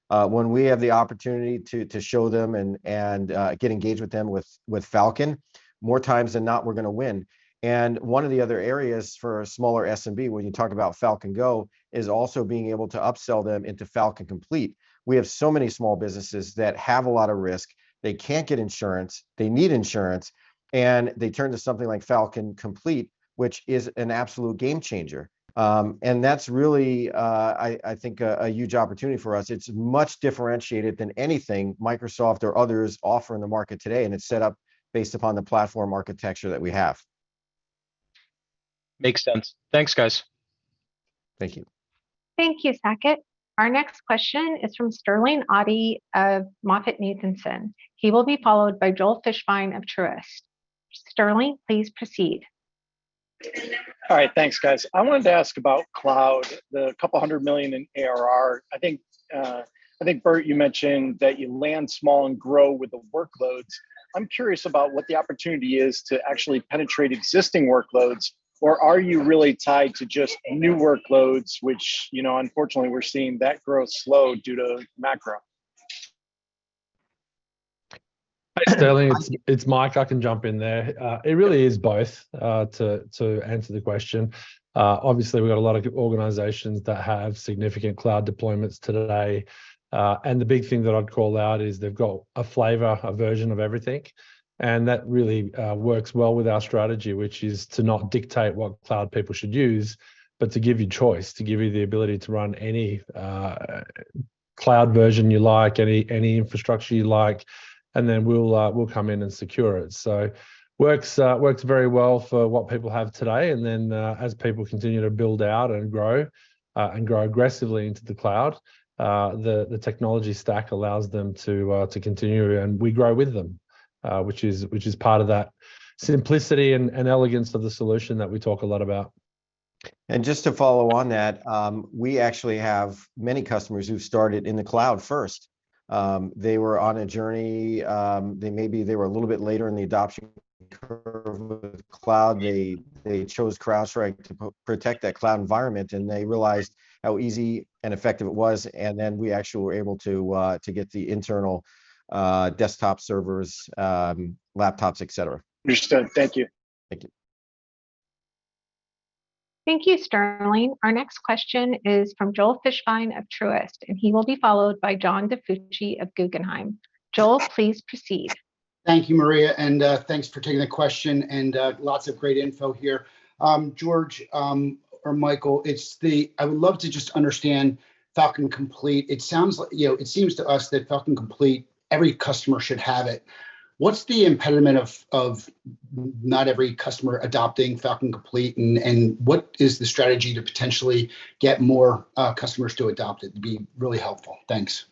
Speaker 2: When we have the opportunity to show them and get engaged with them with Falcon, more times than not, we're gonna win. One of the other areas for a smaller SMB, when you talk about Falcon Go, is also being able to upsell them into Falcon Complete. We have so many small businesses that have a lot of risk. They can't get insurance, they need insurance, and they turn to something like Falcon Complete, which is an absolute game changer. That's really, I think, a huge opportunity for us. It's much differentiated than anything Microsoft or others offer in the market today, and it's set up based upon the platform architecture that we have.
Speaker 10: Makes sense. Thanks, guys.
Speaker 2: Thank you.
Speaker 1: Thank you, Saket. Our next question is from Sterling Auty of MoffettNathanson. He will be followed by Joel Fishbein of Truist. Sterling, please proceed.
Speaker 11: All right. Thanks, guys. I wanted to ask about cloud, the couple $100 million in ARR. I think, Burt, you mentioned that you land small and grow with the workloads. I'm curious about what the opportunity is to actually penetrate existing workloads, or are you really tied to just new workloads, which, you know, unfortunately we're seeing that growth slow due to macro?
Speaker 4: Hi, Sterling. It's Mike. I can jump in there. It really is both, to answer the question. Obviously we've got a lot of organizations that have significant cloud deployments today, and the big thing that I'd call out is they've got a flavor, a version of everything, and that really works well with our strategy, which is to not dictate what cloud people should use, but to give you choice, to give you the ability to run any cloud version you like, any infrastructure you like, and then we'll come in and secure it. Works very well for what people have today, and then, as people continue to build out and grow and grow aggressively into the cloud, the technology stack allows them to continue and we grow with them, which is part of that simplicity and elegance of the solution that we talk a lot about.
Speaker 2: Just to follow on that, we actually have many customers who started in the cloud first. They were on a journey, they may be they were a little bit later in the adoption curve of cloud. They chose CrowdStrike to protect that cloud environment, and they realized how easy and effective it was, and then we actually were able to get the internal, desktop servers, laptops, et cetera.
Speaker 11: Understood. Thank you.
Speaker 2: Thank you.
Speaker 1: Thank you, Sterling. Our next question is from Joel Fishbein of Truist, and he will be followed by John DiFucci of Guggenheim. Joel, please proceed.
Speaker 12: Thank you, Maria, thanks for taking the question, lots of great info here. George, or Michael, I would love to just understand Falcon Complete. It sounds like, you know, it seems to us that Falcon Complete, every customer should have it. What's the impediment of not every customer adopting Falcon Complete, what is the strategy to potentially get more customers to adopt it? It'd be really helpful. Thanks.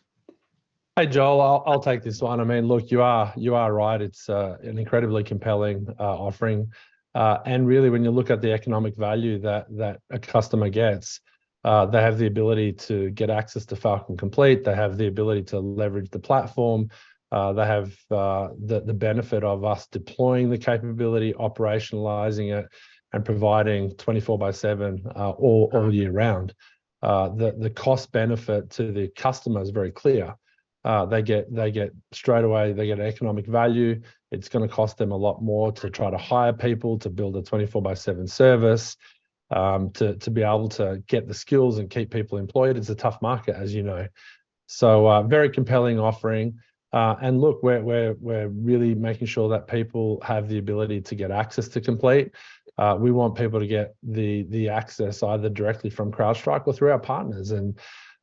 Speaker 4: Hi, Joel. I'll take this one. I mean, look, you are right. It's an incredibly compelling offering. Really when you look at the economic value that a customer gets, they have the ability to get access to Falcon Complete, they have the ability to leverage the platform, they have the benefit of us deploying the capability, operationalizing it, and providing 24 by 7, all year round. The cost benefit to the customer is very clear. They get straight away, they get economic value. It's gonna cost them a lot more to try to hire people to build a 24 by 7 service, to be able to get the skills and keep people employed. It's a tough market, as you know. Very compelling offering. Look, we're really making sure that people have the ability to get access to Complete. We want people to get the access either directly from CrowdStrike or through our partners.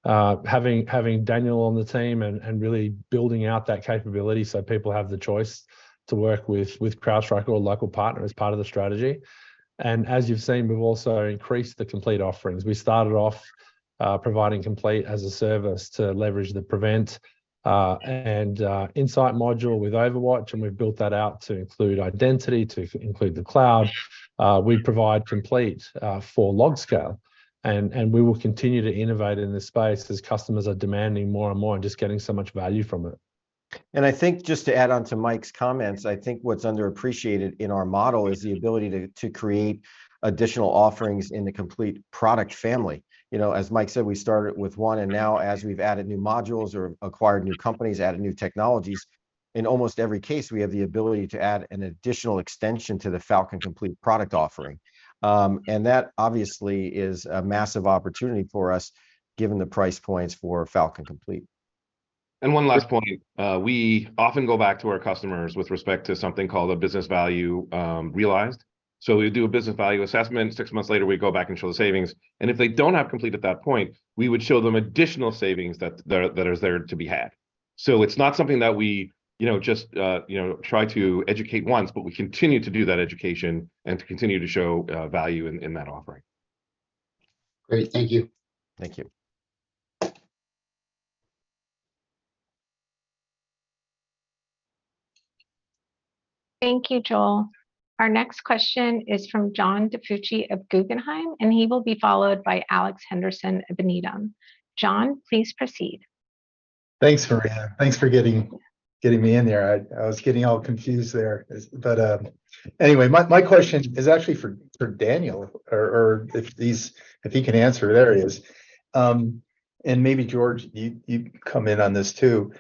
Speaker 4: Having Daniel on the team and really building out that capability so people have the choice to work with CrowdStrike or a local partner is part of the strategy. As you've seen, we've also increased the Complete offerings. We started off providing Complete as a service to leverage the Prevent and Insight module with OverWatch, and we've built that out to include identity, to include the cloud. We provide Complete for LogScale. We will continue to innovate in this space as customers are demanding more and more and just getting so much value from it.
Speaker 2: I think just to add onto Mike's comments, I think what's underappreciated in our model is the ability to create additional offerings in the Complete product family. You know, as Mike said, we started with one, and now as we've added new modules or acquired new companies, added new technologies, in almost every case, we have the ability to add an additional extension to the Falcon Complete product offering. And that obviously is a massive opportunity for us given the price points for Falcon Complete.
Speaker 8: One last point. We often go back to our customers with respect to something called a business value realized. We do a business value assessment. six months later, we go back and show the savings, and if they don't have Complete at that point, we would show them additional savings that is there to be had. It's not something that we, you know, just, you know, try to educate once, but we continue to do that education and to continue to show value in that offering.
Speaker 13: Great. Thank you.
Speaker 8: Thank you.
Speaker 1: Thank you, Joel. Our next question is from John DiFucci of Guggenheim, and he will be followed by Alex Henderson of Needham. John, please proceed.
Speaker 14: Thanks, Maria. Thanks for getting me in there. I was getting all confused there. Anyway, my question is actually for Daniel or if he can answer it, there he is. Maybe George, you come in on this too.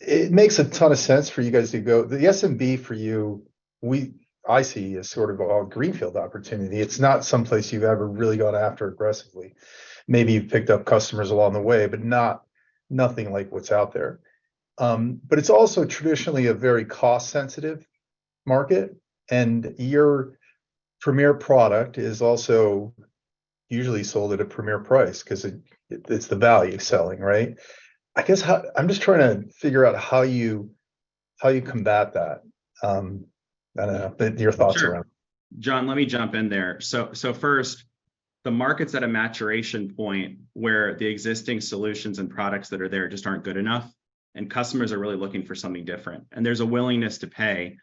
Speaker 14: It makes a ton of sense for you guys to go. The SMB for you, we, I see as sort of a all green field opportunity. It's not some place you've ever really gone after aggressively. Maybe you've picked up customers along the way, but nothing like what's out there. It's also traditionally a very cost sensitive market, and your premier product is also usually sold at a premier price 'cause it's the value selling, right? I guess I'm just trying to figure out how you combat that, I don't know. Your thoughts around it.
Speaker 9: Sure. John, let me jump in there. First, the market's at a maturation point where the existing solutions and products that are there just aren't good enough, and customers are really looking for something different. There's a willingness to pay,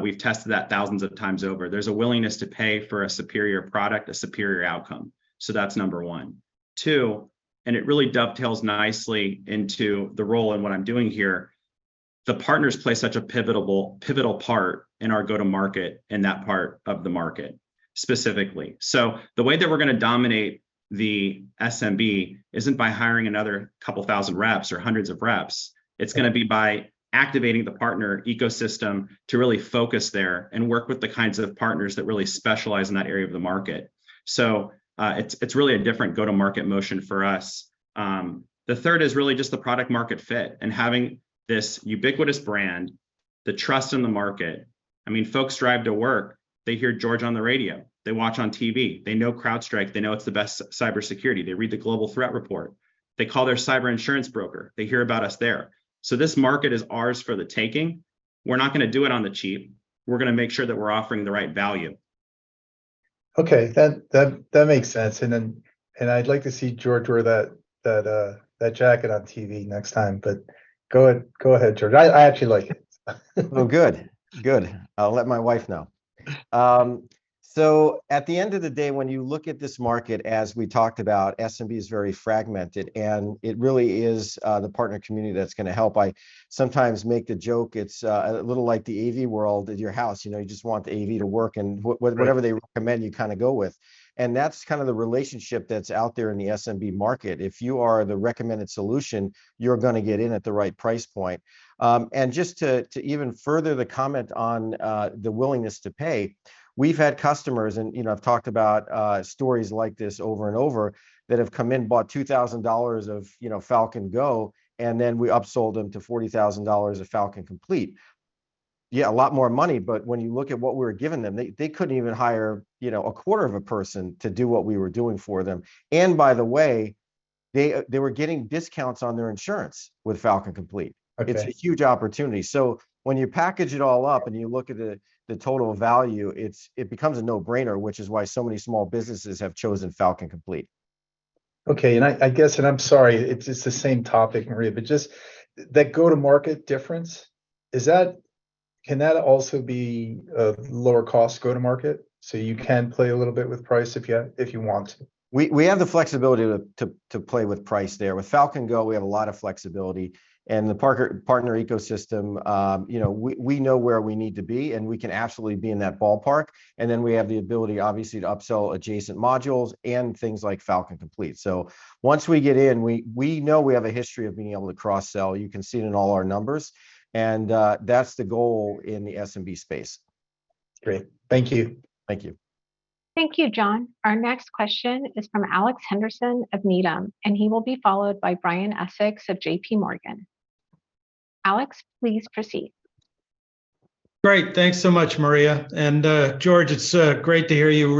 Speaker 9: we've tested that thousands of times over. There's a willingness to pay for a superior product, a superior outcome, that's number one. Two, it really dovetails nicely into the role in what I'm doing here, the partners play such a pivotal part in our go-to-market in that part of the market specifically. The way that we're gonna dominate the SMB isn't by hiring another couple thousand reps or hundreds of reps. It's gonna be by activating the partner ecosystem to really focus there and work with the kinds of partners that really specialize in that area of the market. It's really a different go-to-market motion for us. The third is really just the product market fit and having this ubiquitous brand, the trust in the market. I mean, folks drive to work, they hear George on the radio, they watch on TV, they know CrowdStrike, they know it's the best cybersecurity. They read the Global Threat Report. They call their cyber insurance broker, they hear about us there. This market is ours for the taking. We're not gonna do it on the cheap. We're gonna make sure that we're offering the right value.
Speaker 14: Okay. That makes sense. I'd like to see George wear that jacket on TV next time, but go ahead, George. I actually like it.
Speaker 2: Good. Good. I'll let my wife know. At the end of the day, when you look at this market, as we talked about, SMB is very fragmented, it really is the partner community that's gonna help. I sometimes make the joke, it's a little like the AV world at your house, you know? You just want the AV to work.
Speaker 14: Right...
Speaker 2: whatever they recommend, you kind of go with. That's kind of the relationship that's out there in the SMB market. If you are the recommended solution, you're gonna get in at the right price point. Just to even further the comment on the willingness to pay, we've had customers, and, you know, I've talked about stories like this over and over, that have come in, bought $2,000 of, you know, Falcon Go, and then we upsold them to $40,000 of Falcon Complete. Yeah, a lot more money, but when you look at what we were giving them, they couldn't even hire, you know, a quarter of a person to do what we were doing for them. By the way, they were getting discounts on their insurance with Falcon Complete.
Speaker 14: Okay.
Speaker 2: It's a huge opportunity. When you package it all up, you look at the total value, it becomes a no-brainer, which is why so many small businesses have chosen Falcon Complete.
Speaker 14: Okay. I guess, and I'm sorry, it's the same topic, Maria, but just that go-to-market difference. Can that also be a lower cost go-to-market? You can play a little bit with price if you, if you want to.
Speaker 2: We have the flexibility to play with price there. With Falcon Go, we have a lot of flexibility, and the partner ecosystem, you know, we know where we need to be, and we can absolutely be in that ballpark, and then we have the ability, obviously, to upsell adjacent modules and things like Falcon Complete. Once we get in, we know we have a history of being able to cross-sell. You can see it in all our numbers, and that's the goal in the SMB space.
Speaker 14: Great. Thank you.
Speaker 2: Thank you.
Speaker 1: Thank you, John. Our next question is from Alex Henderson of Needham, and he will be followed by Brian Essex of JPMorgan. Alex, please proceed.
Speaker 15: Great. Thanks so much, Maria. George, it's great to hear you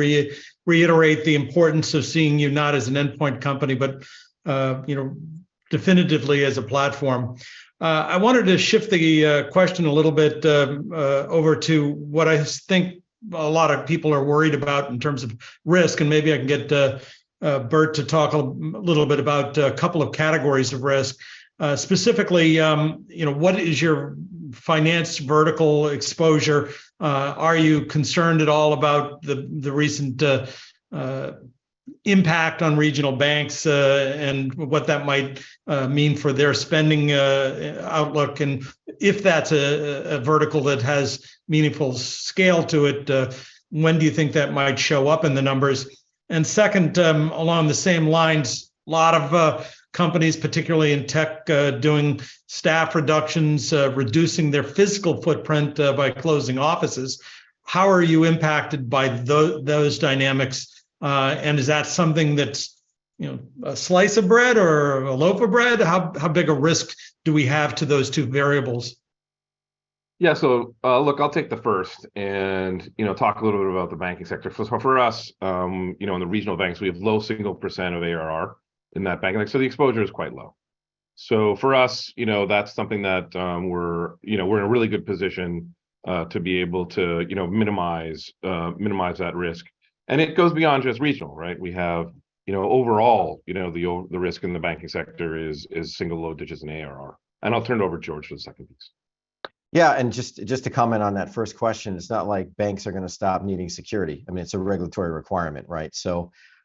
Speaker 15: reiterate the importance of seeing you not as an endpoint company, but, you know, definitively as a platform. I wanted to shift the question a little bit over to what I think a lot of people are worried about in terms of risk, and maybe I can get Burt to talk a little bit about a couple of categories of risk. Specifically, you know, what is your finance vertical exposure? Are you concerned at all about the recent
Speaker 4: Impact on regional banks, and what that might mean for their spending outlook, and if that's a vertical that has meaningful scale to it, when do you think that might show up in the numbers? Second, along the same lines, lot of companies, particularly in tech, doing staff reductions, reducing their physical footprint, by closing offices, how are you impacted by those dynamics? Is that something that's, you know, a slice of bread or a loaf of bread? How big a risk do we have to those two variables?
Speaker 8: Yeah. Look, I'll take the first and, you know, talk a little bit about the banking sector. First, for us, you know, in the regional banks, we have low single percent of ARR in that bank. The exposure is quite low. For us, you know, that's something that, you know, we're in a really good position, to be able to, you know, minimize that risk. It goes beyond just regional, right? We have, you know, overall, you know, the risk in the banking sector is single low digits in ARR. I'll turn it over to George for the second piece.
Speaker 2: Yeah. Just to comment on that first question, it's not like banks are gonna stop needing security. I mean, it's a regulatory requirement,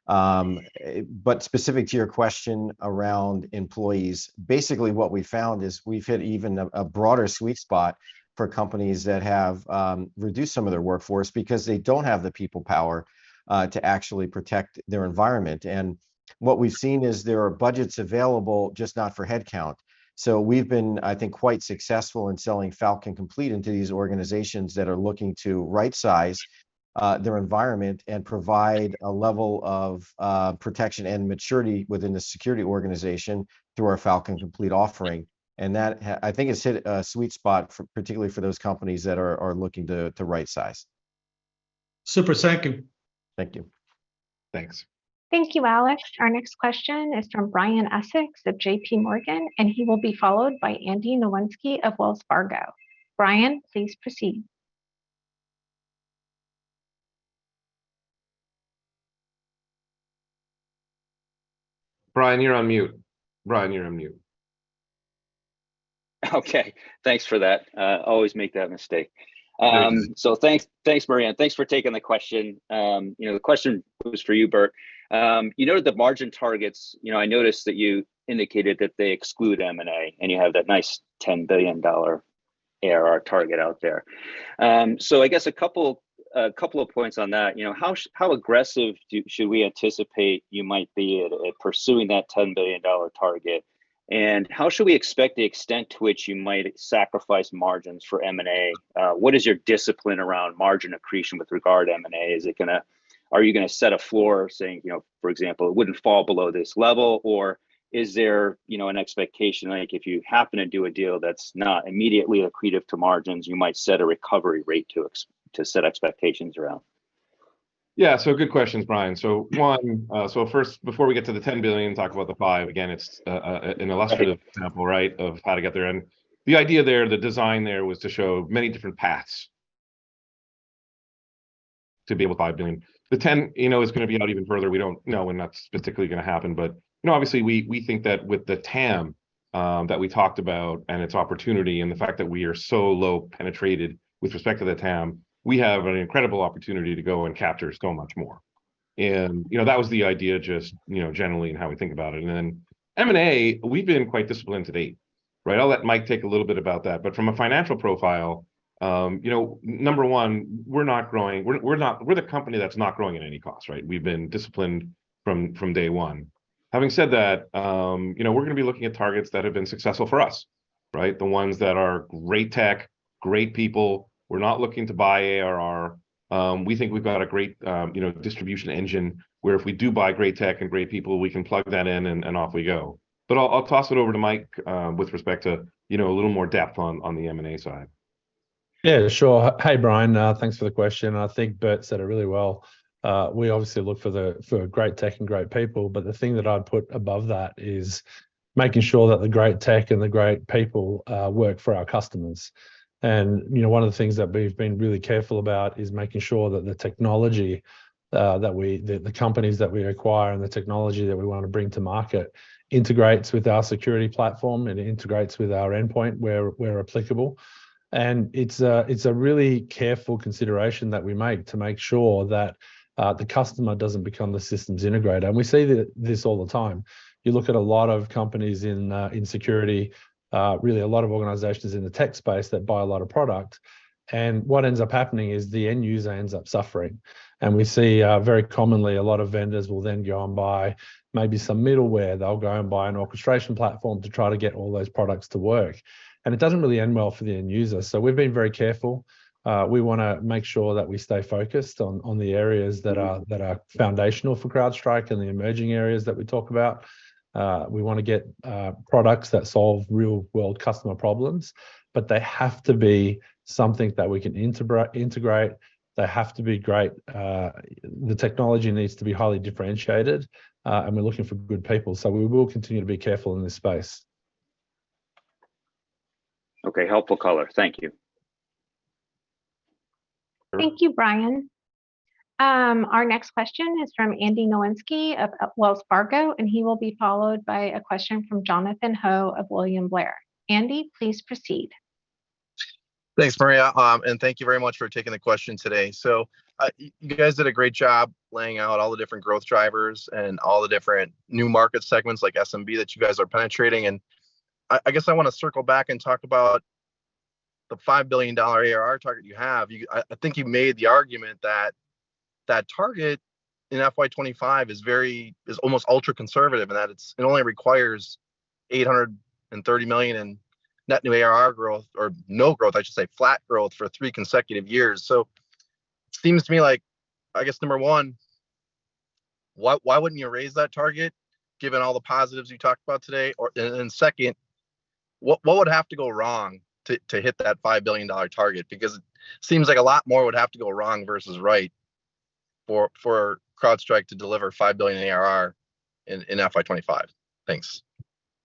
Speaker 2: right? Specific to your question around employees, basically what we found is we've hit even a broader sweet spot for companies that have reduced some of their workforce because they don't have the people power to actually protect their environment. What we've seen is there are budgets available, just not for head count. We've been, I think, quite successful in selling Falcon Complete into these organizations that are looking to right size their environment and provide a level of protection and maturity within the security organization through our Falcon Complete offering. That I think has hit a sweet spot for, particularly for those companies that are looking to right size.
Speaker 16: Super. Thank you.
Speaker 2: Thank you.
Speaker 8: Thanks.
Speaker 1: Thank you, Alex. Our next question is from Brian Essex of JPMorgan. He will be followed by Andy Nowinski of Wells Fargo. Brian, please proceed.
Speaker 8: Brian, you're on mute. Brian, you're on mute.
Speaker 6: Okay. Thanks for that. Always make that mistake.
Speaker 8: No worries.
Speaker 6: Thanks, thanks Maria. Thanks for taking the question. You know, the question was for you, Burt. You know, the margin targets, you know, I noticed that you indicated that they exclude M&A, and you have that nice $10 billion ARR target out there. I guess a couple of points on that. You know, how aggressive do, should we anticipate you might be at pursuing that $10 billion target? And how should we expect the extent to which you might sacrifice margins for M&A? What is your discipline around margin accretion with regard to M&A? Are you gonna set a floor saying, you know, for example, it wouldn't fall below this level? Is there, you know, an expectation, like if you happen to do a deal that's not immediately accretive to margins, you might set a recovery rate to set expectations around?
Speaker 8: Yeah. Good questions, Brian. One, first, before we get to the $10 billion, talk about the $5 billion, again, it's an illustrative example, right, of how to get there. The idea there, the design there was to show many different paths to be able to $5 billion. The $10 billion, you know, is gonna be out even further. We don't know when that's specifically gonna happen. You know, obviously, we think that with the TAM that we talked about and its opportunity and the fact that we are so low penetrated with respect to the TAM, we have an incredible opportunity to go and capture so much more. You know, that was the idea, just, you know, generally in how we think about it. M&A, we've been quite disciplined to date, right? I'll let Mike take a little bit about that. From a financial profile, you know, number one, we're not growing. We're the company that's not growing at any cost, right? We've been disciplined from day one. Having said that, you know, we're gonna be looking at targets that have been successful for us, right? The ones that are great tech, great people. We're not looking to buy ARR. We think we've got a great, you know, distribution engine where if we do buy great tech and great people, we can plug that in and off we go. I'll toss it over to Mike with respect to, you know, a little more depth on the M&A side.
Speaker 4: Yeah, sure. Hey, Brian. Thanks for the question. I think Burt said it really well. We obviously look for the, for great tech and great people, but the thing that I'd put above that is making sure that the great tech and the great people work for our customers. You know, one of the things that we've been really careful about is making sure that the technology that we, that the companies that we acquire and the technology that we wanna bring to market integrates with our security platform and integrates with our endpoint where applicable. It's a, it's a really careful consideration that we make to make sure that the customer doesn't become the systems integrator. We see this all the time. You look at a lot of companies in security, really a lot of organizations in the tech space that buy a lot of product, and what ends up happening is the end user ends up suffering. We see very commonly a lot of vendors will then go and buy maybe some middleware. They'll go and buy an orchestration platform to try to get all those products to work, and it doesn't really end well for the end user. We've been very careful. We wanna make sure that we stay focused on the areas that are foundational for CrowdStrike and the emerging areas that we talk about. We wanna get products that solve real-world customer problems, but they have to be something that we can integrate. They have to be great. The technology needs to be highly differentiated. And we're looking for good people. We will continue to be careful in this space.
Speaker 6: Okay. Helpful color. Thank you.
Speaker 1: Thank you, Brian. Our next question is from Andy Nowinski of Wells Fargo, and he will be followed by a question from Jonathan Ho of William Blair. Andy, please proceed.
Speaker 17: Thanks, Maria. Thank you very much for taking the question today. You guys did a great job laying out all the different growth drivers and all the different new market segments, like SMB, that you guys are penetrating. I guess I wanna circle back and talk about the $5 billion ARR target you have. I think you made the argument that that target in FY 2025 is very, is almost ultra-conservative, in that it's, it only requires $830 million in net new ARR growth, or no growth, I should say, flat growth, for three consecutive years. Seems to me like, I guess, number one, why wouldn't you raise that target given all the positives you talked about today? And second, what would have to go wrong to hit that $5 billion target? Seems like a lot more would have to go wrong versus right for CrowdStrike to deliver $5 billion ARR in FY 2025. Thanks.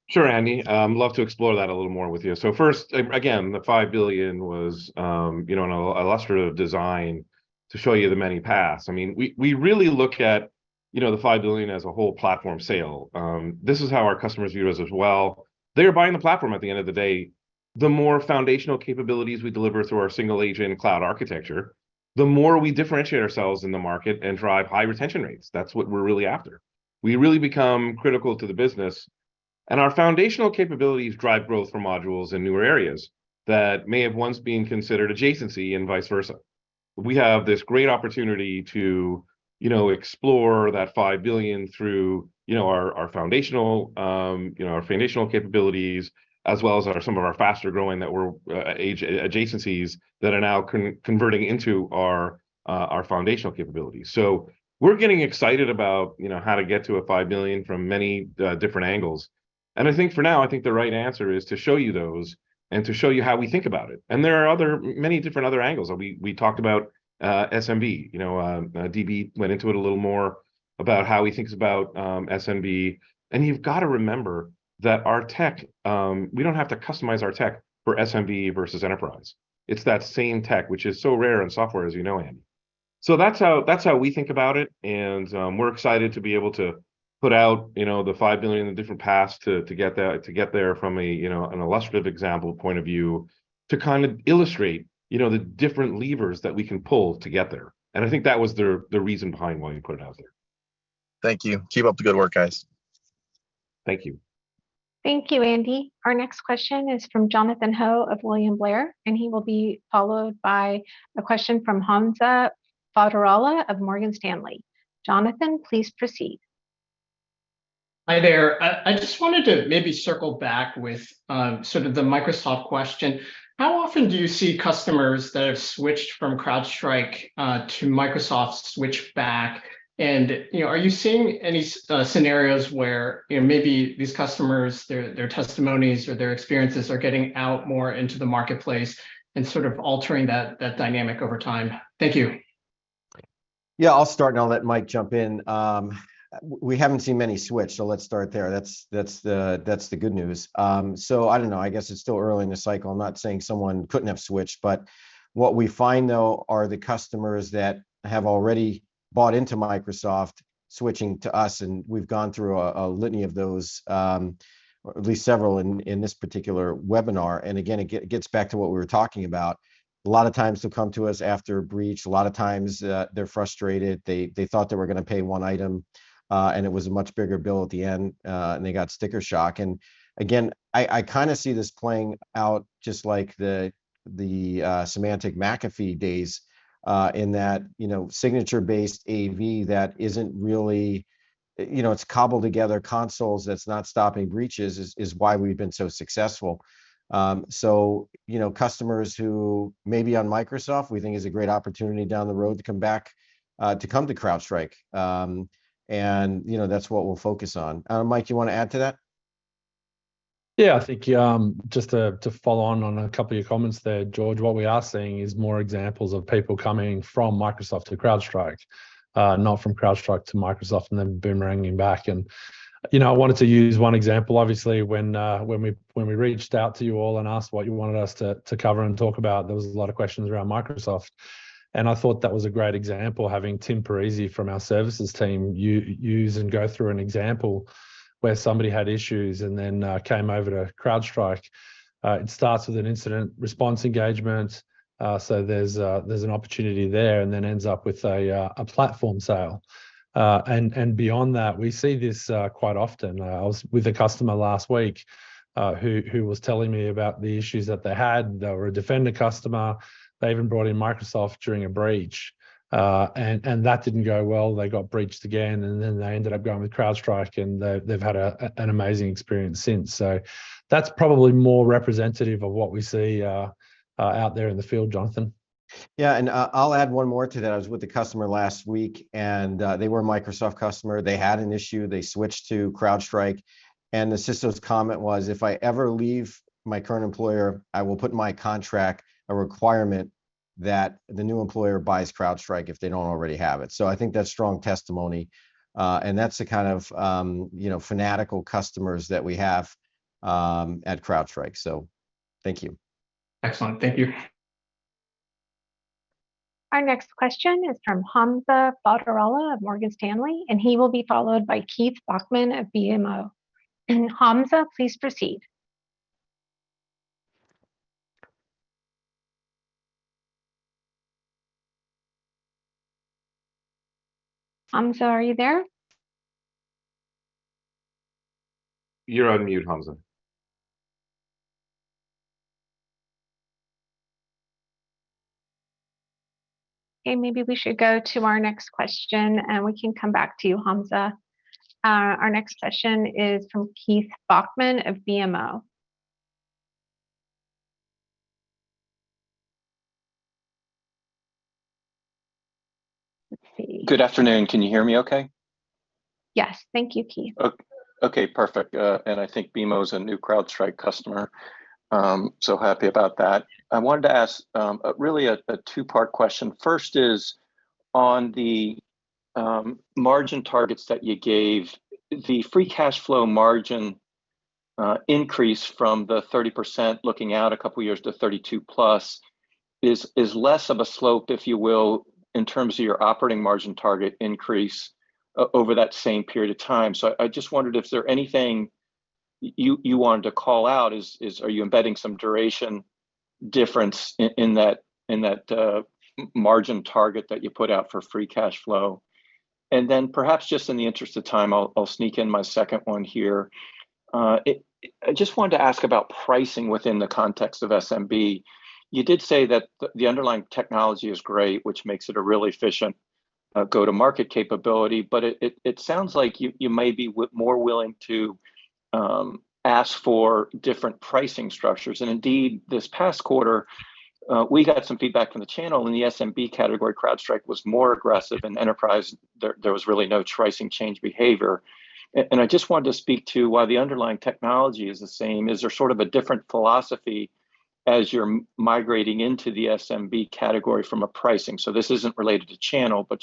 Speaker 8: Sure, Andy. I'd love to explore that a little more with you. First, again, the $5 billion was, you know, a illustrative design to show you the many paths. I mean, we really look at, you know, the $5 billion as a whole platform sale. This is how our customers view us as well. They're buying the platform at the end of the day. The more foundational capabilities we deliver through our single agent cloud architecture, the more we differentiate ourselves in the market and drive high retention rates. That's what we're really after. We really become critical to the business, and our foundational capabilities drive growth for modules in newer areas that may have once been considered adjacency, and vice versa. We have this great opportunity to, you know, explore that $5 billion through, you know, our foundational capabilities, as well as our some of our faster-growing, that were age adjacencies that are now converting into our foundational capabilities. We're getting excited about, you know, how to get to a $5 billion from many different angles. I think for now, I think the right answer is to show you those, and to show you how we think about it. There are other many different other angles. We talked about SMB. You know, DB went into it a little more about how he thinks about SMB. You've gotta remember that our tech, we don't have to customize our tech for SMB versus enterprise. It's that same tech, which is so rare in software, as you know, Andy. That's how, that's how we think about it. We're excited to be able to put out, you know, the $5 billion and different paths to get that, to get there from a, you know, an illustrative example point of view to kind of illustrate, you know, the different levers that we can pull to get there. I think that was the reason behind why we put it out there.
Speaker 17: Thank you. Keep up the good work, guys.
Speaker 8: Thank you.
Speaker 1: Thank you, Andy. Our next question is from Jonathan Ho of William Blair, and he will be followed by a question from Hamza Fodderwala of Morgan Stanley. Jonathan, please proceed.
Speaker 18: Hi there. I just wanted to maybe circle back with, sort of the Microsoft question. How often do you see customers that have switched from CrowdStrike to Microsoft switch back? You know, are you seeing any scenarios where, you know, maybe these customers, their testimonies or their experiences are getting out more into the marketplace and sort of altering that dynamic over time? Thank you.
Speaker 2: I'll start, and I'll let Mike jump in. We haven't seen many switch, let's start there. That's the good news. I don't know, I guess it's still early in the cycle. I'm not saying someone couldn't have switched, what we find, though, are the customers that have already bought into Microsoft switching to us, we've gone through a litany of those, or at least several in this particular webinar. Again, it gets back to what we were talking about. A lot of times they'll come to us after a breach. A lot of times, they're frustrated. They thought they were gonna pay 1 item, it was a much bigger bill at the end, they got sticker shock. Again, I kinda see this playing out just like the Symantec/McAfee days, in that, you know, signature-based AV that isn't really... You know, it's cobbled-together consoles that's not stopping breaches is why we've been so successful. You know, customers who may be on Microsoft we think is a great opportunity down the road to come back to come to CrowdStrike. You know, that's what we'll focus on. Mike, you wanna add to that?
Speaker 4: Yeah, I think, just to follow on a couple of your comments there, George, what we are seeing is more examples of people coming from Microsoft to CrowdStrike, not from CrowdStrike to Microsoft and then boomeranging back. You know, I wanted to use one example. Obviously, when we, when we reached out to you all and asked what you wanted us to cover and talk about, there was a lot of questions around Microsoft. I thought that was a great example, having Tim Parisi from our services team use and go through an example where somebody had issues and then came over to CrowdStrike. It starts with an incident response engagement, so there's an opportunity there, and then ends up with a platform sale. Beyond that, we see this quite often. I was with a customer last week who was telling me about the issues that they had. They were a Defender customer. They even brought in Microsoft during a breach, and that didn't go well. They got breached again, then they ended up going with CrowdStrike, and they've had an amazing experience since. That's probably more representative of what we see out there in the field, Jonathan.
Speaker 2: Yeah, I'll add one more to that. I was with a customer last week. They were a Microsoft customer. They had an issue. They switched to CrowdStrike. The CISO's comment was, "If I ever leave my current employer, I will put in my contract a requirement that the new employer buys CrowdStrike if they don't already have it." I think that's strong testimony. That's the kind of, you know, fanatical customers that we have at CrowdStrike. Thank you.
Speaker 18: Excellent. Thank you.
Speaker 1: Our next question is from Hamza Fodderwala of Morgan Stanley. He will be followed by Keith Bachman of BMO. Hamza, please proceed. Hamza, are you there?
Speaker 9: You're on mute, Hamza.
Speaker 1: Okay, maybe we should go to our next question, and we can come back to you, Hamza. Our next question is from Keith Bachman of BMO. Let's see.
Speaker 19: Good afternoon. Can you hear me okay?
Speaker 1: Yes. Thank you, Keith.
Speaker 19: Okay, perfect. I think BMO is a new CrowdStrike customer, so happy about that. I wanted to ask really a two-part question. First is on the margin targets that you gave, the free cash flow margin increase from the 30% looking out a couple of years to 32%+ is less of a slope, if you will, in terms of your operating margin target increase over that same period of time. I just wondered if there anything you wanted to call out is are you embedding some duration difference in that margin target that you put out for free cash flow? Perhaps just in the interest of time, I'll sneak in my second one here. I just wanted to ask about pricing within the context of SMB. You did say that the underlying technology is great, which makes it a really efficient go-to-market capability, but it sounds like you may be more willing to ask for different pricing structures. Indeed, this past quarter, we got some feedback from the channel. In the SMB category, CrowdStrike was more aggressive. In enterprise, there was really no pricing change behavior. I just wanted to speak to while the underlying technology is the same, is there sort of a different philosophy as you're migrating into the SMB category from a pricing? This isn't related to channel.